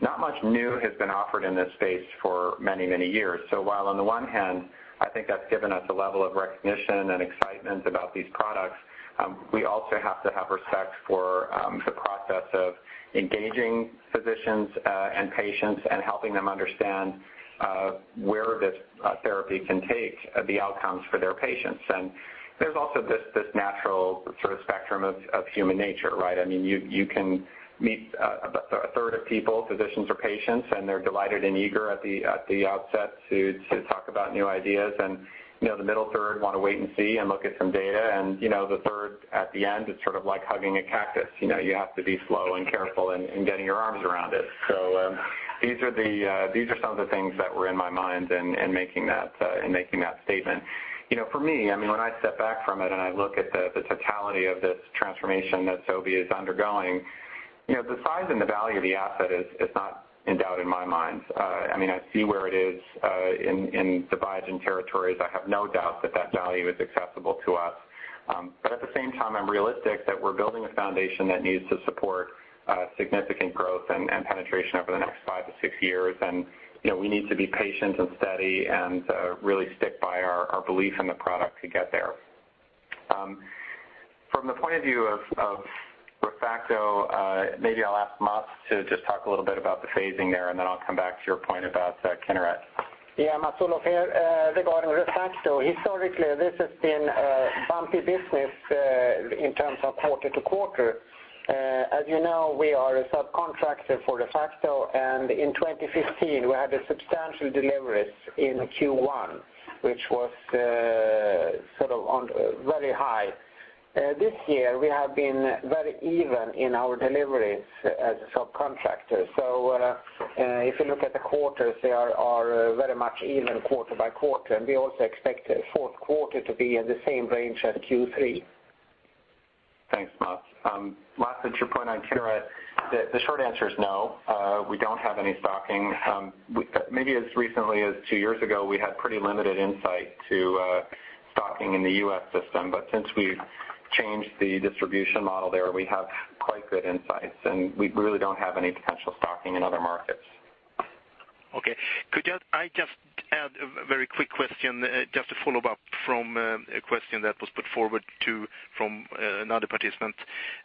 not much new has been offered in this space for many, many years. While on the one hand, I think that's given us a level of recognition and excitement about these products, we also have to have respect for the process of engaging physicians and patients and helping them understand where this therapy can take the outcomes for their patients. There's also this natural sort of spectrum of human nature, right? You can meet a third of people, physicians or patients, and they're delighted and eager at the outset to talk about new ideas. The middle third want to wait and see and look at some data. The third at the end is sort of like hugging a cactus. You have to be slow and careful in getting your arms around it. These are some of the things that were in my mind in making that statement. For me, when I step back from it and I look at the totality of this transformation that Sobi is undergoing, the size and the value of the asset is not in doubt in my mind. I see where it is in the Biogen territories. I have no doubt that that value is accessible to us. At the same time, I'm realistic that we're building a foundation that needs to support significant growth and penetration over the next five to six years. We need to be patient and steady and really stick by our belief in the product to get there. From the point of view of ReFacto, maybe I'll ask Mats to just talk a little bit about the phasing there, then I'll come back to your point about KINERET. Yeah, Mats-Olof Wallin here. Regarding ReFacto, historically, this has been a bumpy business in terms of quarter to quarter. As you know, we are a subcontractor for ReFacto. In 2015, we had substantial deliveries in Q1, which was very high. This year, we have been very even in our deliveries as a subcontractor. If you look at the quarters, they are very much even quarter by quarter, and we also expect fourth quarter to be in the same range as Q3. Thanks, Mats. Mats, at your point on KINERET, the short answer is no, we don't have any stocking. Maybe as recently as two years ago, we had pretty limited insight to stocking in the U.S. system. Since we've changed the distribution model there, we have quite good insights, and we really don't have any potential stocking in other markets. Okay. Could I just add a very quick question, just to follow up from a question that was put forward from another participant?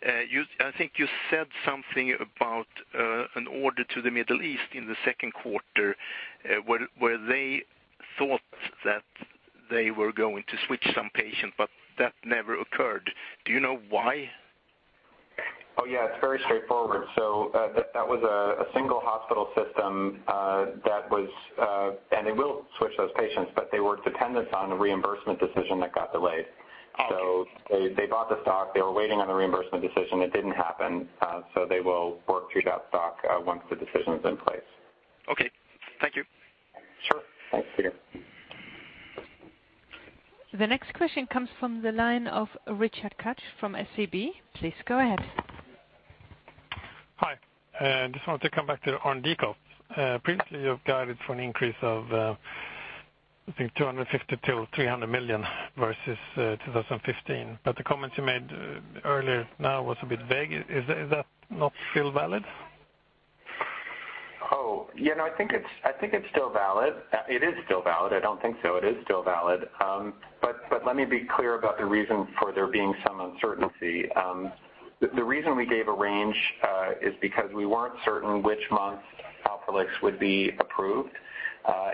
I think you said something about an order to the Middle East in the second quarter, where they thought that they were going to switch some patient, that never occurred. Do you know why? That was a single hospital system, and they will switch those patients, but they were dependent on a reimbursement decision that got delayed. Okay. They bought the stock, they were waiting on the reimbursement decision. It didn't happen. They will work through that stock once the decision's in place. Okay. Thank you. Sure. Thanks. See you. The next question comes from the line of Richard Koch from SEB. Please go ahead. Hi. Just wanted to come back to R&D costs. Previously, you've guided for an increase of, I think, 250 million to 300 million versus 2015. The comments you made earlier now was a bit vague. Is that not still valid? It is still valid. Let me be clear about the reason for there being some uncertainty. The reason we gave a range is because we weren't certain which month ALPROLIX would be approved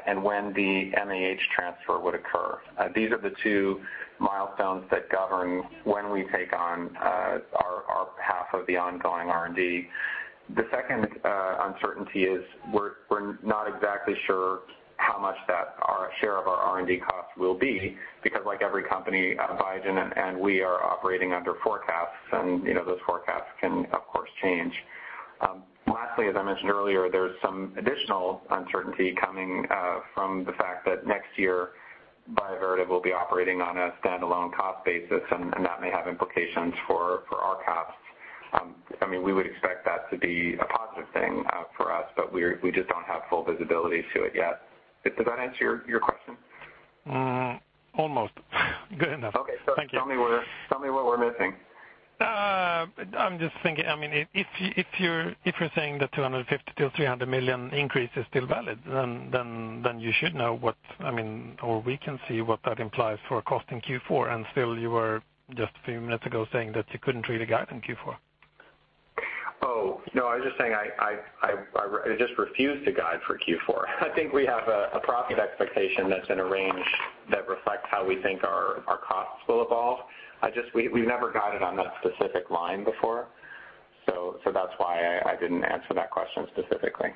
and when the MAH transfer would occur. These are the two milestones that govern when we take on our half of the ongoing R&D. The second uncertainty is we're not exactly sure how much that our share of our R&D cost will be, because like every company, Biogen and we are operating under forecasts, and those forecasts can, of course, change. Lastly, as I mentioned earlier, there's some additional uncertainty coming from the fact that next year, Bioverativ will be operating on a standalone cost basis, and that may have implications for our costs. We would expect that to be a positive thing for us, we just don't have full visibility to it yet. Does that answer your question? Almost. Good enough. Thank you. Okay. Tell me what we're missing. I'm just thinking. If you're saying the 250 million to 300 million increase is still valid, then you should know or we can see what that implies for cost in Q4, and still you were just a few minutes ago saying that you couldn't really guide in Q4. No, I was just saying I just refuse to guide for Q4. I think we have a profit expectation that's in a range How we think our costs will evolve. We've never guided on that specific line before, so that's why I didn't answer that question specifically.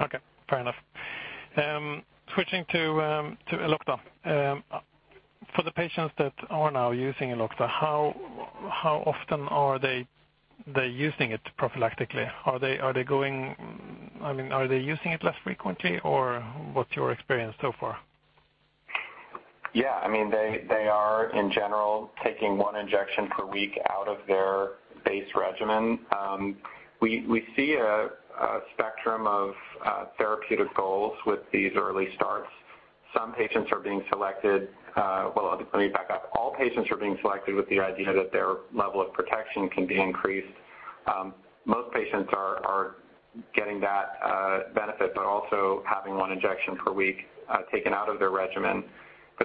Okay, fair enough. Switching to ELOCTA. For the patients that are now using ELOCTA, how often are they using it prophylactically? Are they using it less frequently, or what's your experience so far? Yeah. They are, in general, taking one injection per week out of their base regimen. We see a spectrum of therapeutic goals with these early starts. Some patients are being selected. Well, let me back up. All patients are being selected with the idea that their level of protection can be increased. Most patients are getting that benefit, but also having one injection per week taken out of their regimen.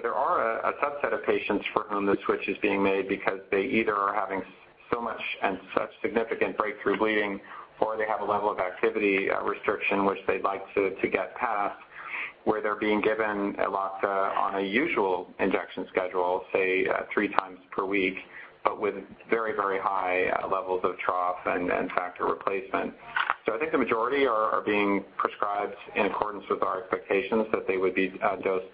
There are a subset of patients for whom the switch is being made because they either are having so much and such significant breakthrough bleeding, or they have a level of activity restriction which they'd like to get past, where they're being given ELOCTA on a usual injection schedule, say three times per week, but with very, very high levels of trough and factor replacement. I think the majority are being prescribed in accordance with our expectations that they would be dosed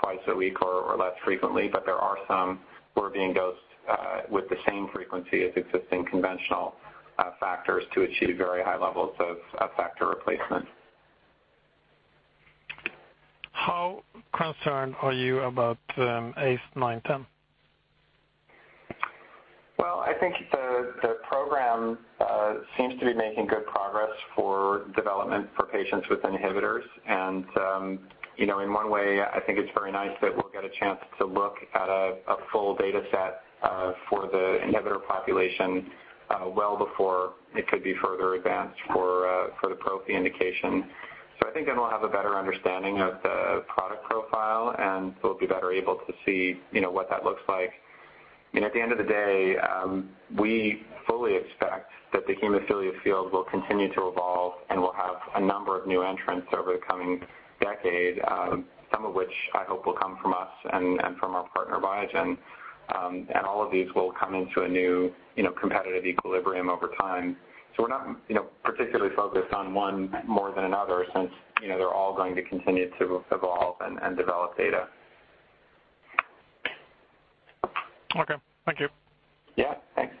twice a week or less frequently. There are some who are being dosed with the same frequency as existing conventional factors to achieve very high levels of factor replacement. How concerned are you about ACE910? Well, I think the program seems to be making good progress for development for patients with inhibitors. In one way, I think it's very nice that we'll get a chance to look at a full data set for the inhibitor population well before it could be further advanced for the prophy indication. I think then we'll have a better understanding of the product profile, and we'll be better able to see what that looks like. At the end of the day, we fully expect that the hemophilia field will continue to evolve and will have a number of new entrants over the coming decade, some of which I hope will come from us and from our partner, Biogen. All of these will come into a new competitive equilibrium over time. We're not particularly focused on one more than another since they're all going to continue to evolve and develop data. Okay. Thank you. Yeah. Thanks.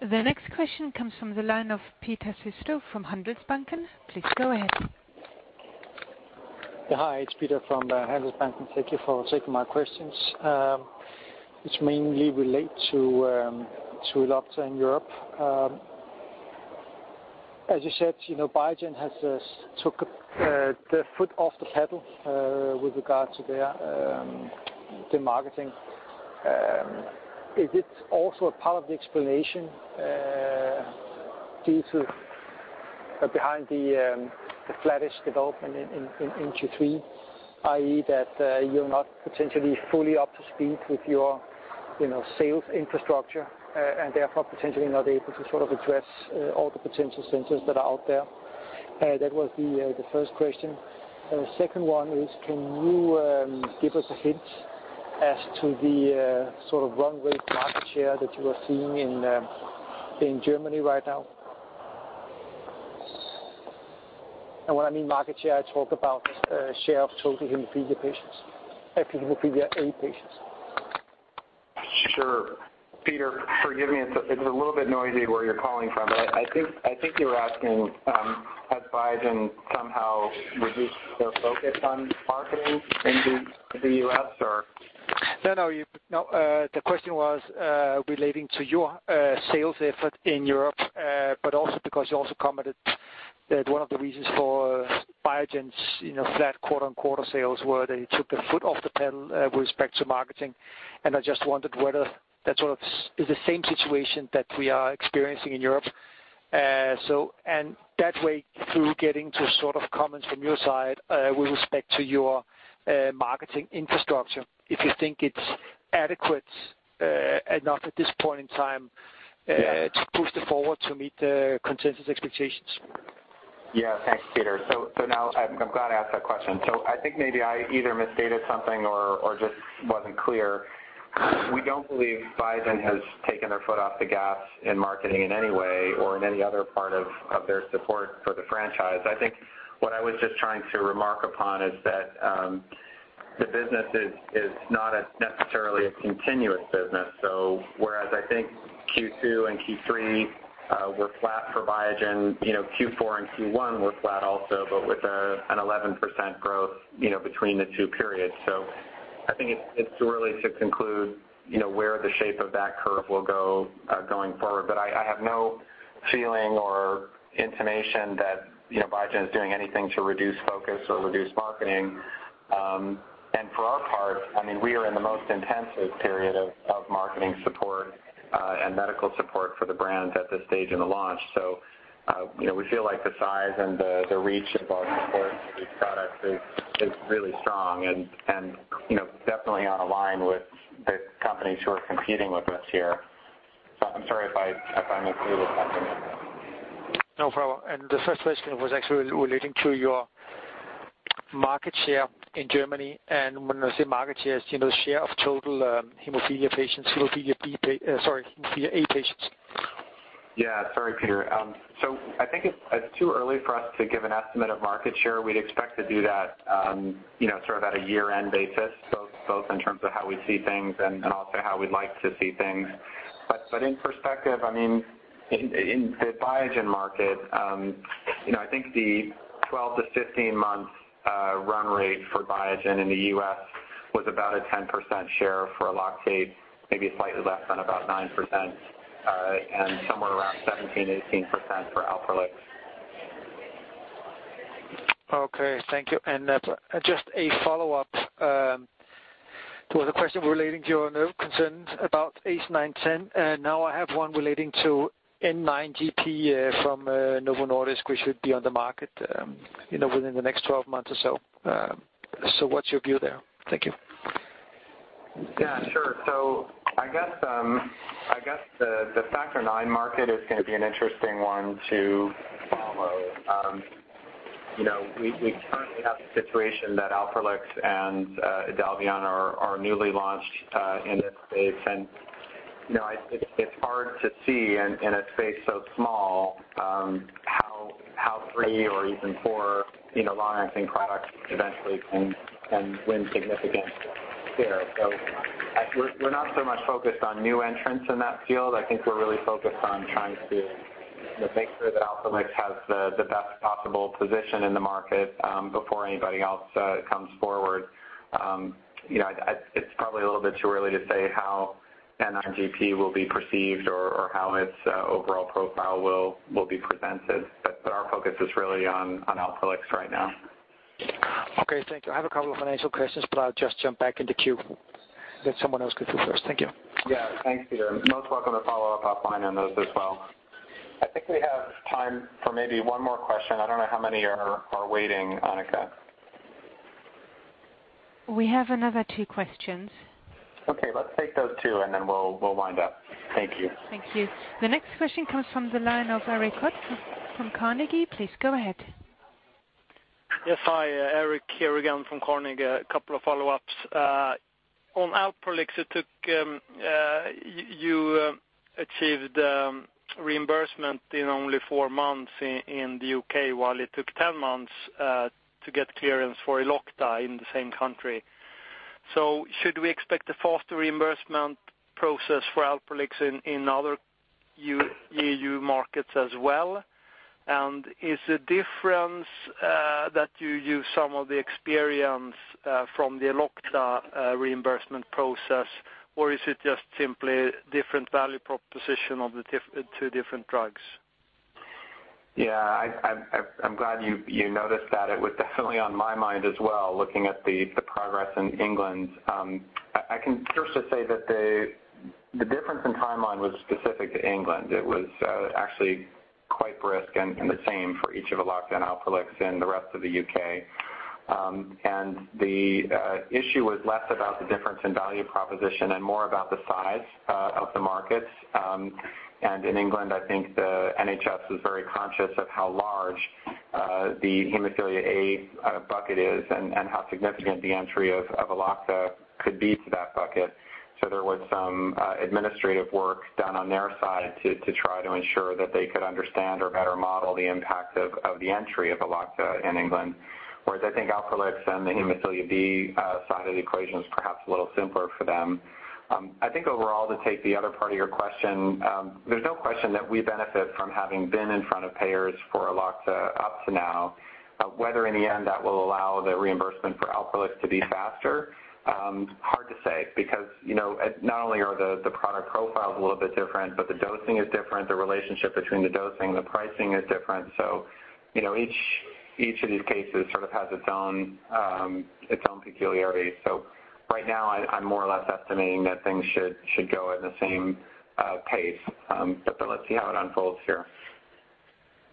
The next question comes from the line of Peter Cisto from Handelsbanken. Please go ahead. Hi, it's Peter from Handelsbanken. Thank you for taking my questions. It mainly relates to ELOCTA in Europe. As you said, Biogen has took their foot off the pedal with regard to the marketing. Is it also a part of the explanation behind the flattish development in Q3, i.e., that you're not potentially fully up to speed with your sales infrastructure and therefore potentially not able to sort of address all the potential centers that are out there? That was the first question. The second one is can you give us a hint as to the sort of runway market share that you are seeing in Germany right now? When I mean market share, I talk about share of total hemophilia patients, hemophilia A patients. Sure. Peter, forgive me, it's a little bit noisy where you're calling from, but I think you're asking has Biogen somehow reduced their focus on marketing in the U.S. or. No, the question was relating to your sales effort in Europe. Also because you also commented that one of the reasons for Biogen's flat quarter-on-quarter sales were they took their foot off the pedal with respect to marketing, and I just wondered whether that sort of is the same situation that we are experiencing in Europe. That way through getting to sort of comments from your side with respect to your marketing infrastructure, if you think it's adequate enough at this point in time to boost it forward to meet the consensus expectations. Yeah. Thanks, Peter. Now I'm glad I asked that question. I think maybe I either misstated something or just wasn't clear. We don't believe Biogen has taken their foot off the gas in marketing in any way or in any other part of their support for the franchise. I think what I was just trying to remark upon is that the business is not necessarily a continuous business. Whereas I think Q2 and Q3 were flat for Biogen, Q4 and Q1 were flat also, but with an 11% growth between the two periods. I think it's too early to conclude where the shape of that curve will go going forward. I have no feeling or intimation that Biogen is doing anything to reduce focus or reduce marketing. For our part, we are in the most intensive period of marketing support and medical support for the brand at this stage in the launch. We feel like the size and the reach of our support for these products is really strong and definitely on a line with the companies who are competing with us here. I'm sorry if I misled with that comment. No problem. The first question was actually relating to your market share in Germany. When I say market share of total hemophilia A patients. Yeah. Sorry, Peter. I think it's too early for us to give an estimate of market share. We'd expect to do that sort of at a year-end basis, both in terms of how we see things and also how we'd like to see things. In perspective, in the Biogen market, I think the 12-15 months run rate for Biogen in the U.S. was about a 10% share for Elocta, maybe slightly less than about 9%, and somewhere around 17%-18% for ALPROLIX. Okay. Thank you. Just a follow-up. There was a question relating to your concerns about ACE910, and now I have one relating to N9-GP from Novo Nordisk, which should be on the market within the next 12 months or so. What's your view there? Thank you. Yeah, sure. I guess, the factor IX market is going to be an interesting one to follow. We currently have the situation that ALPROLIX and IDELVION are newly launched in this space. It's hard to see in a space so small how three or even four long-acting products eventually can win significant share. We're not so much focused on new entrants in that field. I think we're really focused on trying to make sure that ALPROLIX has the best possible position in the market before anybody else comes forward. It's probably a little bit too early to say how N9-GP will be perceived or how its overall profile will be presented, but our focus is really on ALPROLIX right now. Okay, thank you. I have a couple of financial questions, but I'll just jump back in the queue so that someone else can go first. Thank you. Yeah. Thanks, Peter. Most welcome to follow up offline on those as well. I think we have time for maybe one more question. I don't know how many are waiting, Annika. We have another two questions. Okay. Let's take those two and then we'll wind up. Thank you. Thank you. The next question comes from the line of Erik Hod from Carnegie. Please go ahead. Yes. Hi, Erik here again from Carnegie. A couple of follow-ups. On ALPROLIX, you achieved reimbursement in only four months in the U.K., while it took 10 months to get clearance for ELOCTA in the same country. Should we expect a faster reimbursement process for ALPROLIX in other EU markets as well? Is the difference that you use some of the experience from the ELOCTA reimbursement process, or is it just simply different value proposition of the two different drugs? I'm glad you noticed that. It was definitely on my mind as well, looking at the progress in England. I can first just say that the difference in timeline was specific to England. It was actually quite brisk and the same for each of ELOCTA and ALPROLIX in the rest of the U.K. The issue was less about the difference in value proposition and more about the size of the markets. In England, I think the NHS was very conscious of how large the hemophilia A bucket is and how significant the entry of ELOCTA could be to that bucket. There was some administrative work done on their side to try to ensure that they could understand or better model the impact of the entry of ELOCTA in England. Whereas I think ALPROLIX and the hemophilia B side of the equation is perhaps a little simpler for them. I think overall, to take the other part of your question, there's no question that we benefit from having been in front of payers for ELOCTA up to now. Whether in the end that will allow the reimbursement for ALPROLIX to be faster, hard to say, because not only are the product profiles a little bit different, but the dosing is different. The relationship between the dosing, the pricing is different. Each of these cases sort of has its own peculiarity. Right now, I'm more or less estimating that things should go at the same pace. Let's see how it unfolds here.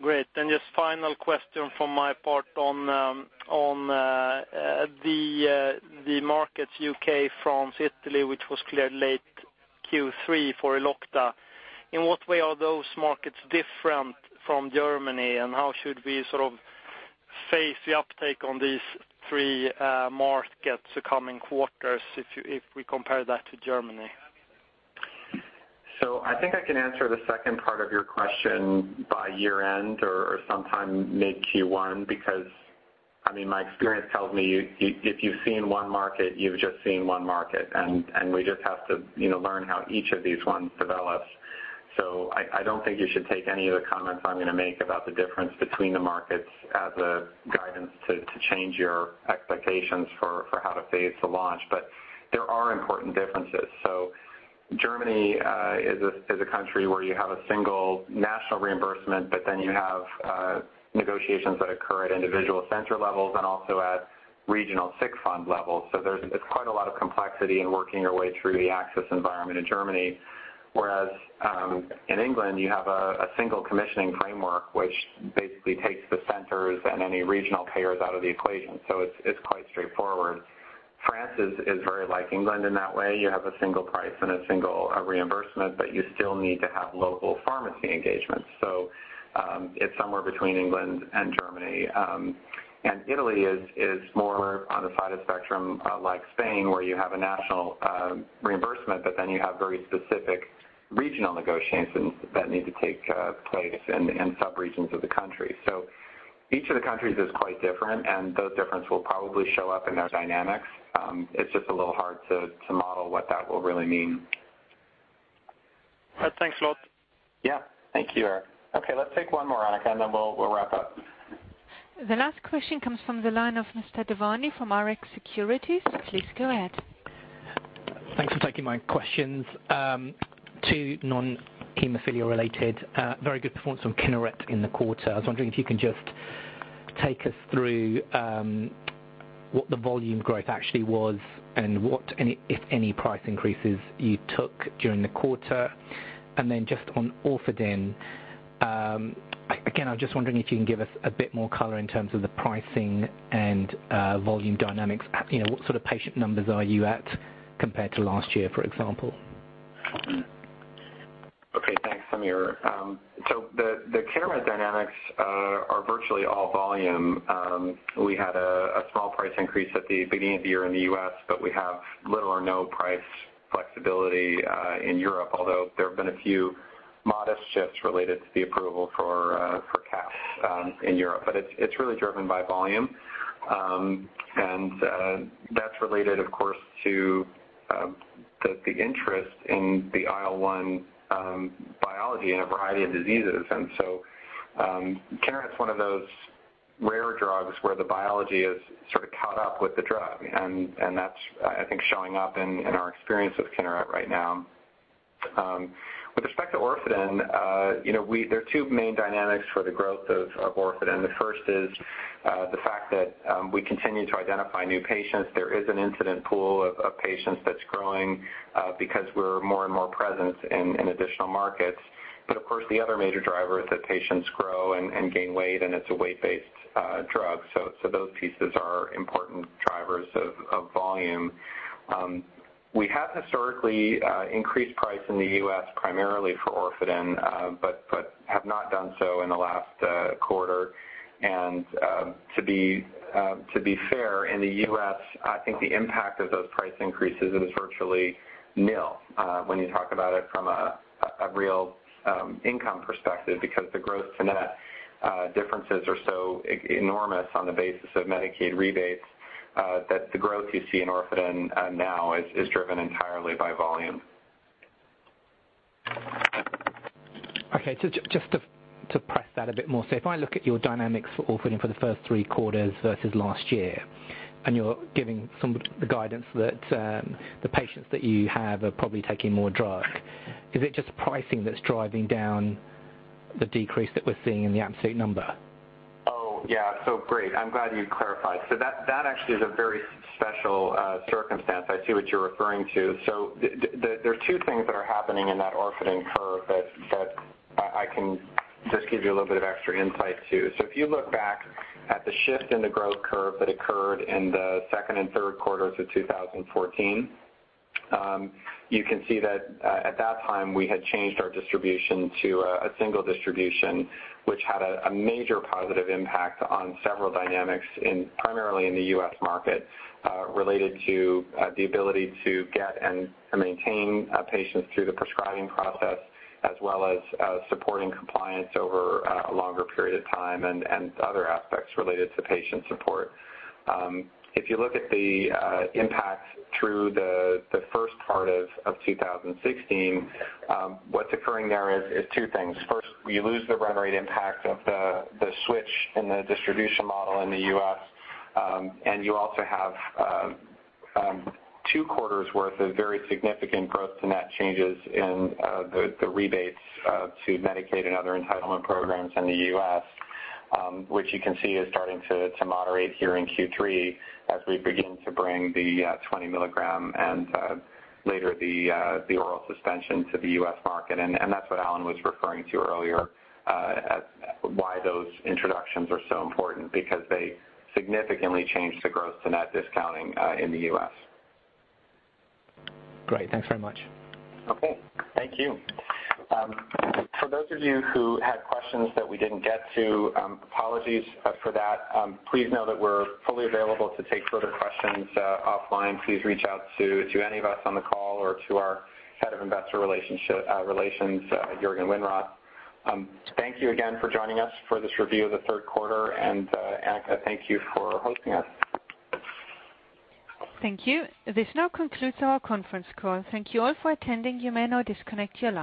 Great. Just final question from my part on the markets U.K., France, Italy, which was cleared late Q3 for ELOCTA. In what way are those markets different from Germany, and how should we sort of face the uptake on these three markets the coming quarters if we compare that to Germany? I think I can answer the second part of your question by year end or sometime mid Q1, because my experience tells me if you've seen one market, you've just seen one market, we just have to learn how each of these ones develops. I don't think you should take any of the comments I'm going to make about the difference between the markets as a guidance to change your expectations for how to phase the launch. There are important differences. Germany is a country where you have a single national reimbursement, you have negotiations that occur at individual center levels and also at regional sick fund levels. It's quite a lot of complexity in working your way through the access environment in Germany. Whereas in England, you have a single commissioning framework, which basically takes the centers and any regional payers out of the equation. It's quite straightforward. France is very like England in that way. You have a single price and a single reimbursement, but you still need to have local pharmacy engagement. It's somewhere between England and Germany. Italy is more on the side of spectrum like Spain, where you have a national reimbursement, but then you have very specific regional negotiations that need to take place in sub-regions of the country. Each of the countries is quite different, and those differences will probably show up in their dynamics. It's just a little hard to model what that will really mean. Thanks a lot. Thank you, Erik. Okay, let's take one more, Annika, and then we'll wrap up. The last question comes from the line of Mr. Devani from Rx Securities. Please go ahead. Thanks for taking my questions. Two non-hemophilia related. Very good performance from KINERET in the quarter. I was wondering if you can just take us through what the volume growth actually was and what, if any, price increases you took during the quarter. Just on Orfadin, again, I was just wondering if you can give us a bit more color in terms of the pricing and volume dynamics. What sort of patient numbers are you at compared to last year, for example? Okay. Thanks, Samir. The KINERET dynamics are virtually all volume. We had a small price increase at the beginning of the year in the U.S., but we have little or no price flexibility in Europe, although there have been a few modest shifts related to the approval for CAPS in Europe. It's really driven by volume. That's related, of course, to the interest in the IL-1 biology in a variety of diseases. KINERET's one of those rare drugs where the biology is sort of caught up with the drug, and that's, I think, showing up in our experience with KINERET right now. With respect to Orfadin, there are two main dynamics for the growth of Orfadin. The first is the fact that we continue to identify new patients. There is an incident pool of patients that's growing because we're more and more present in additional markets. Of course, the other major driver is that patients grow and gain weight, and it's a weight-based drug. Those pieces are important drivers of volume. We have historically increased price in the U.S. primarily for Orfadin, but have not done so in the last quarter. To be fair, in the U.S., I think the impact of those price increases is virtually nil when you talk about it from a real income perspective because the gross to net differences are so enormous on the basis of Medicaid rebates that the growth you see in Orfadin now is driven entirely by volume. Okay. Just to press that a bit more. If I look at your dynamics for Orfadin for the first three quarters versus last year, you're giving some guidance that the patients that you have are probably taking more drug, is it just pricing that's driving down the decrease that we're seeing in the absolute number? Oh, yeah. Great, I'm glad you clarified. That actually is a very special circumstance. I see what you're referring to. There are two things that are happening in that Orfadin curve that I can just give you a little bit of extra insight, too. If you look back at the shift in the growth curve that occurred in the second and third quarters of 2014, you can see that at that time, we had changed our distribution to a single distribution, which had a major positive impact on several dynamics primarily in the U.S. market related to the ability to get and maintain patients through the prescribing process, as well as supporting compliance over a longer period of time and other aspects related to patient support. If you look at the impact through the first part of 2016, what's occurring there is two things. First, we lose the run rate impact of the switch in the distribution model in the U.S., and you also have two quarters worth of very significant gross to net changes in the rebates to Medicaid and other entitlement programs in the U.S., which you can see is starting to moderate here in Q3 as we begin to bring the 20 milligram and later the oral suspension to the U.S. market. That's what Alan was referring to earlier, why those introductions are so important, because they significantly change the gross to net discounting in the U.S. Great. Thanks very much. Okay. Thank you. For those of you who had questions that we didn't get to, apologies for that. Please know that we're fully available to take further questions offline. Please reach out to any of us on the call or to our Head of Investor Relations, Jörgen Winroth. Thank you again for joining us for this review of the third quarter and Annika, thank you for hosting us. Thank you. This now concludes our conference call. Thank you all for attending. You may now disconnect your line.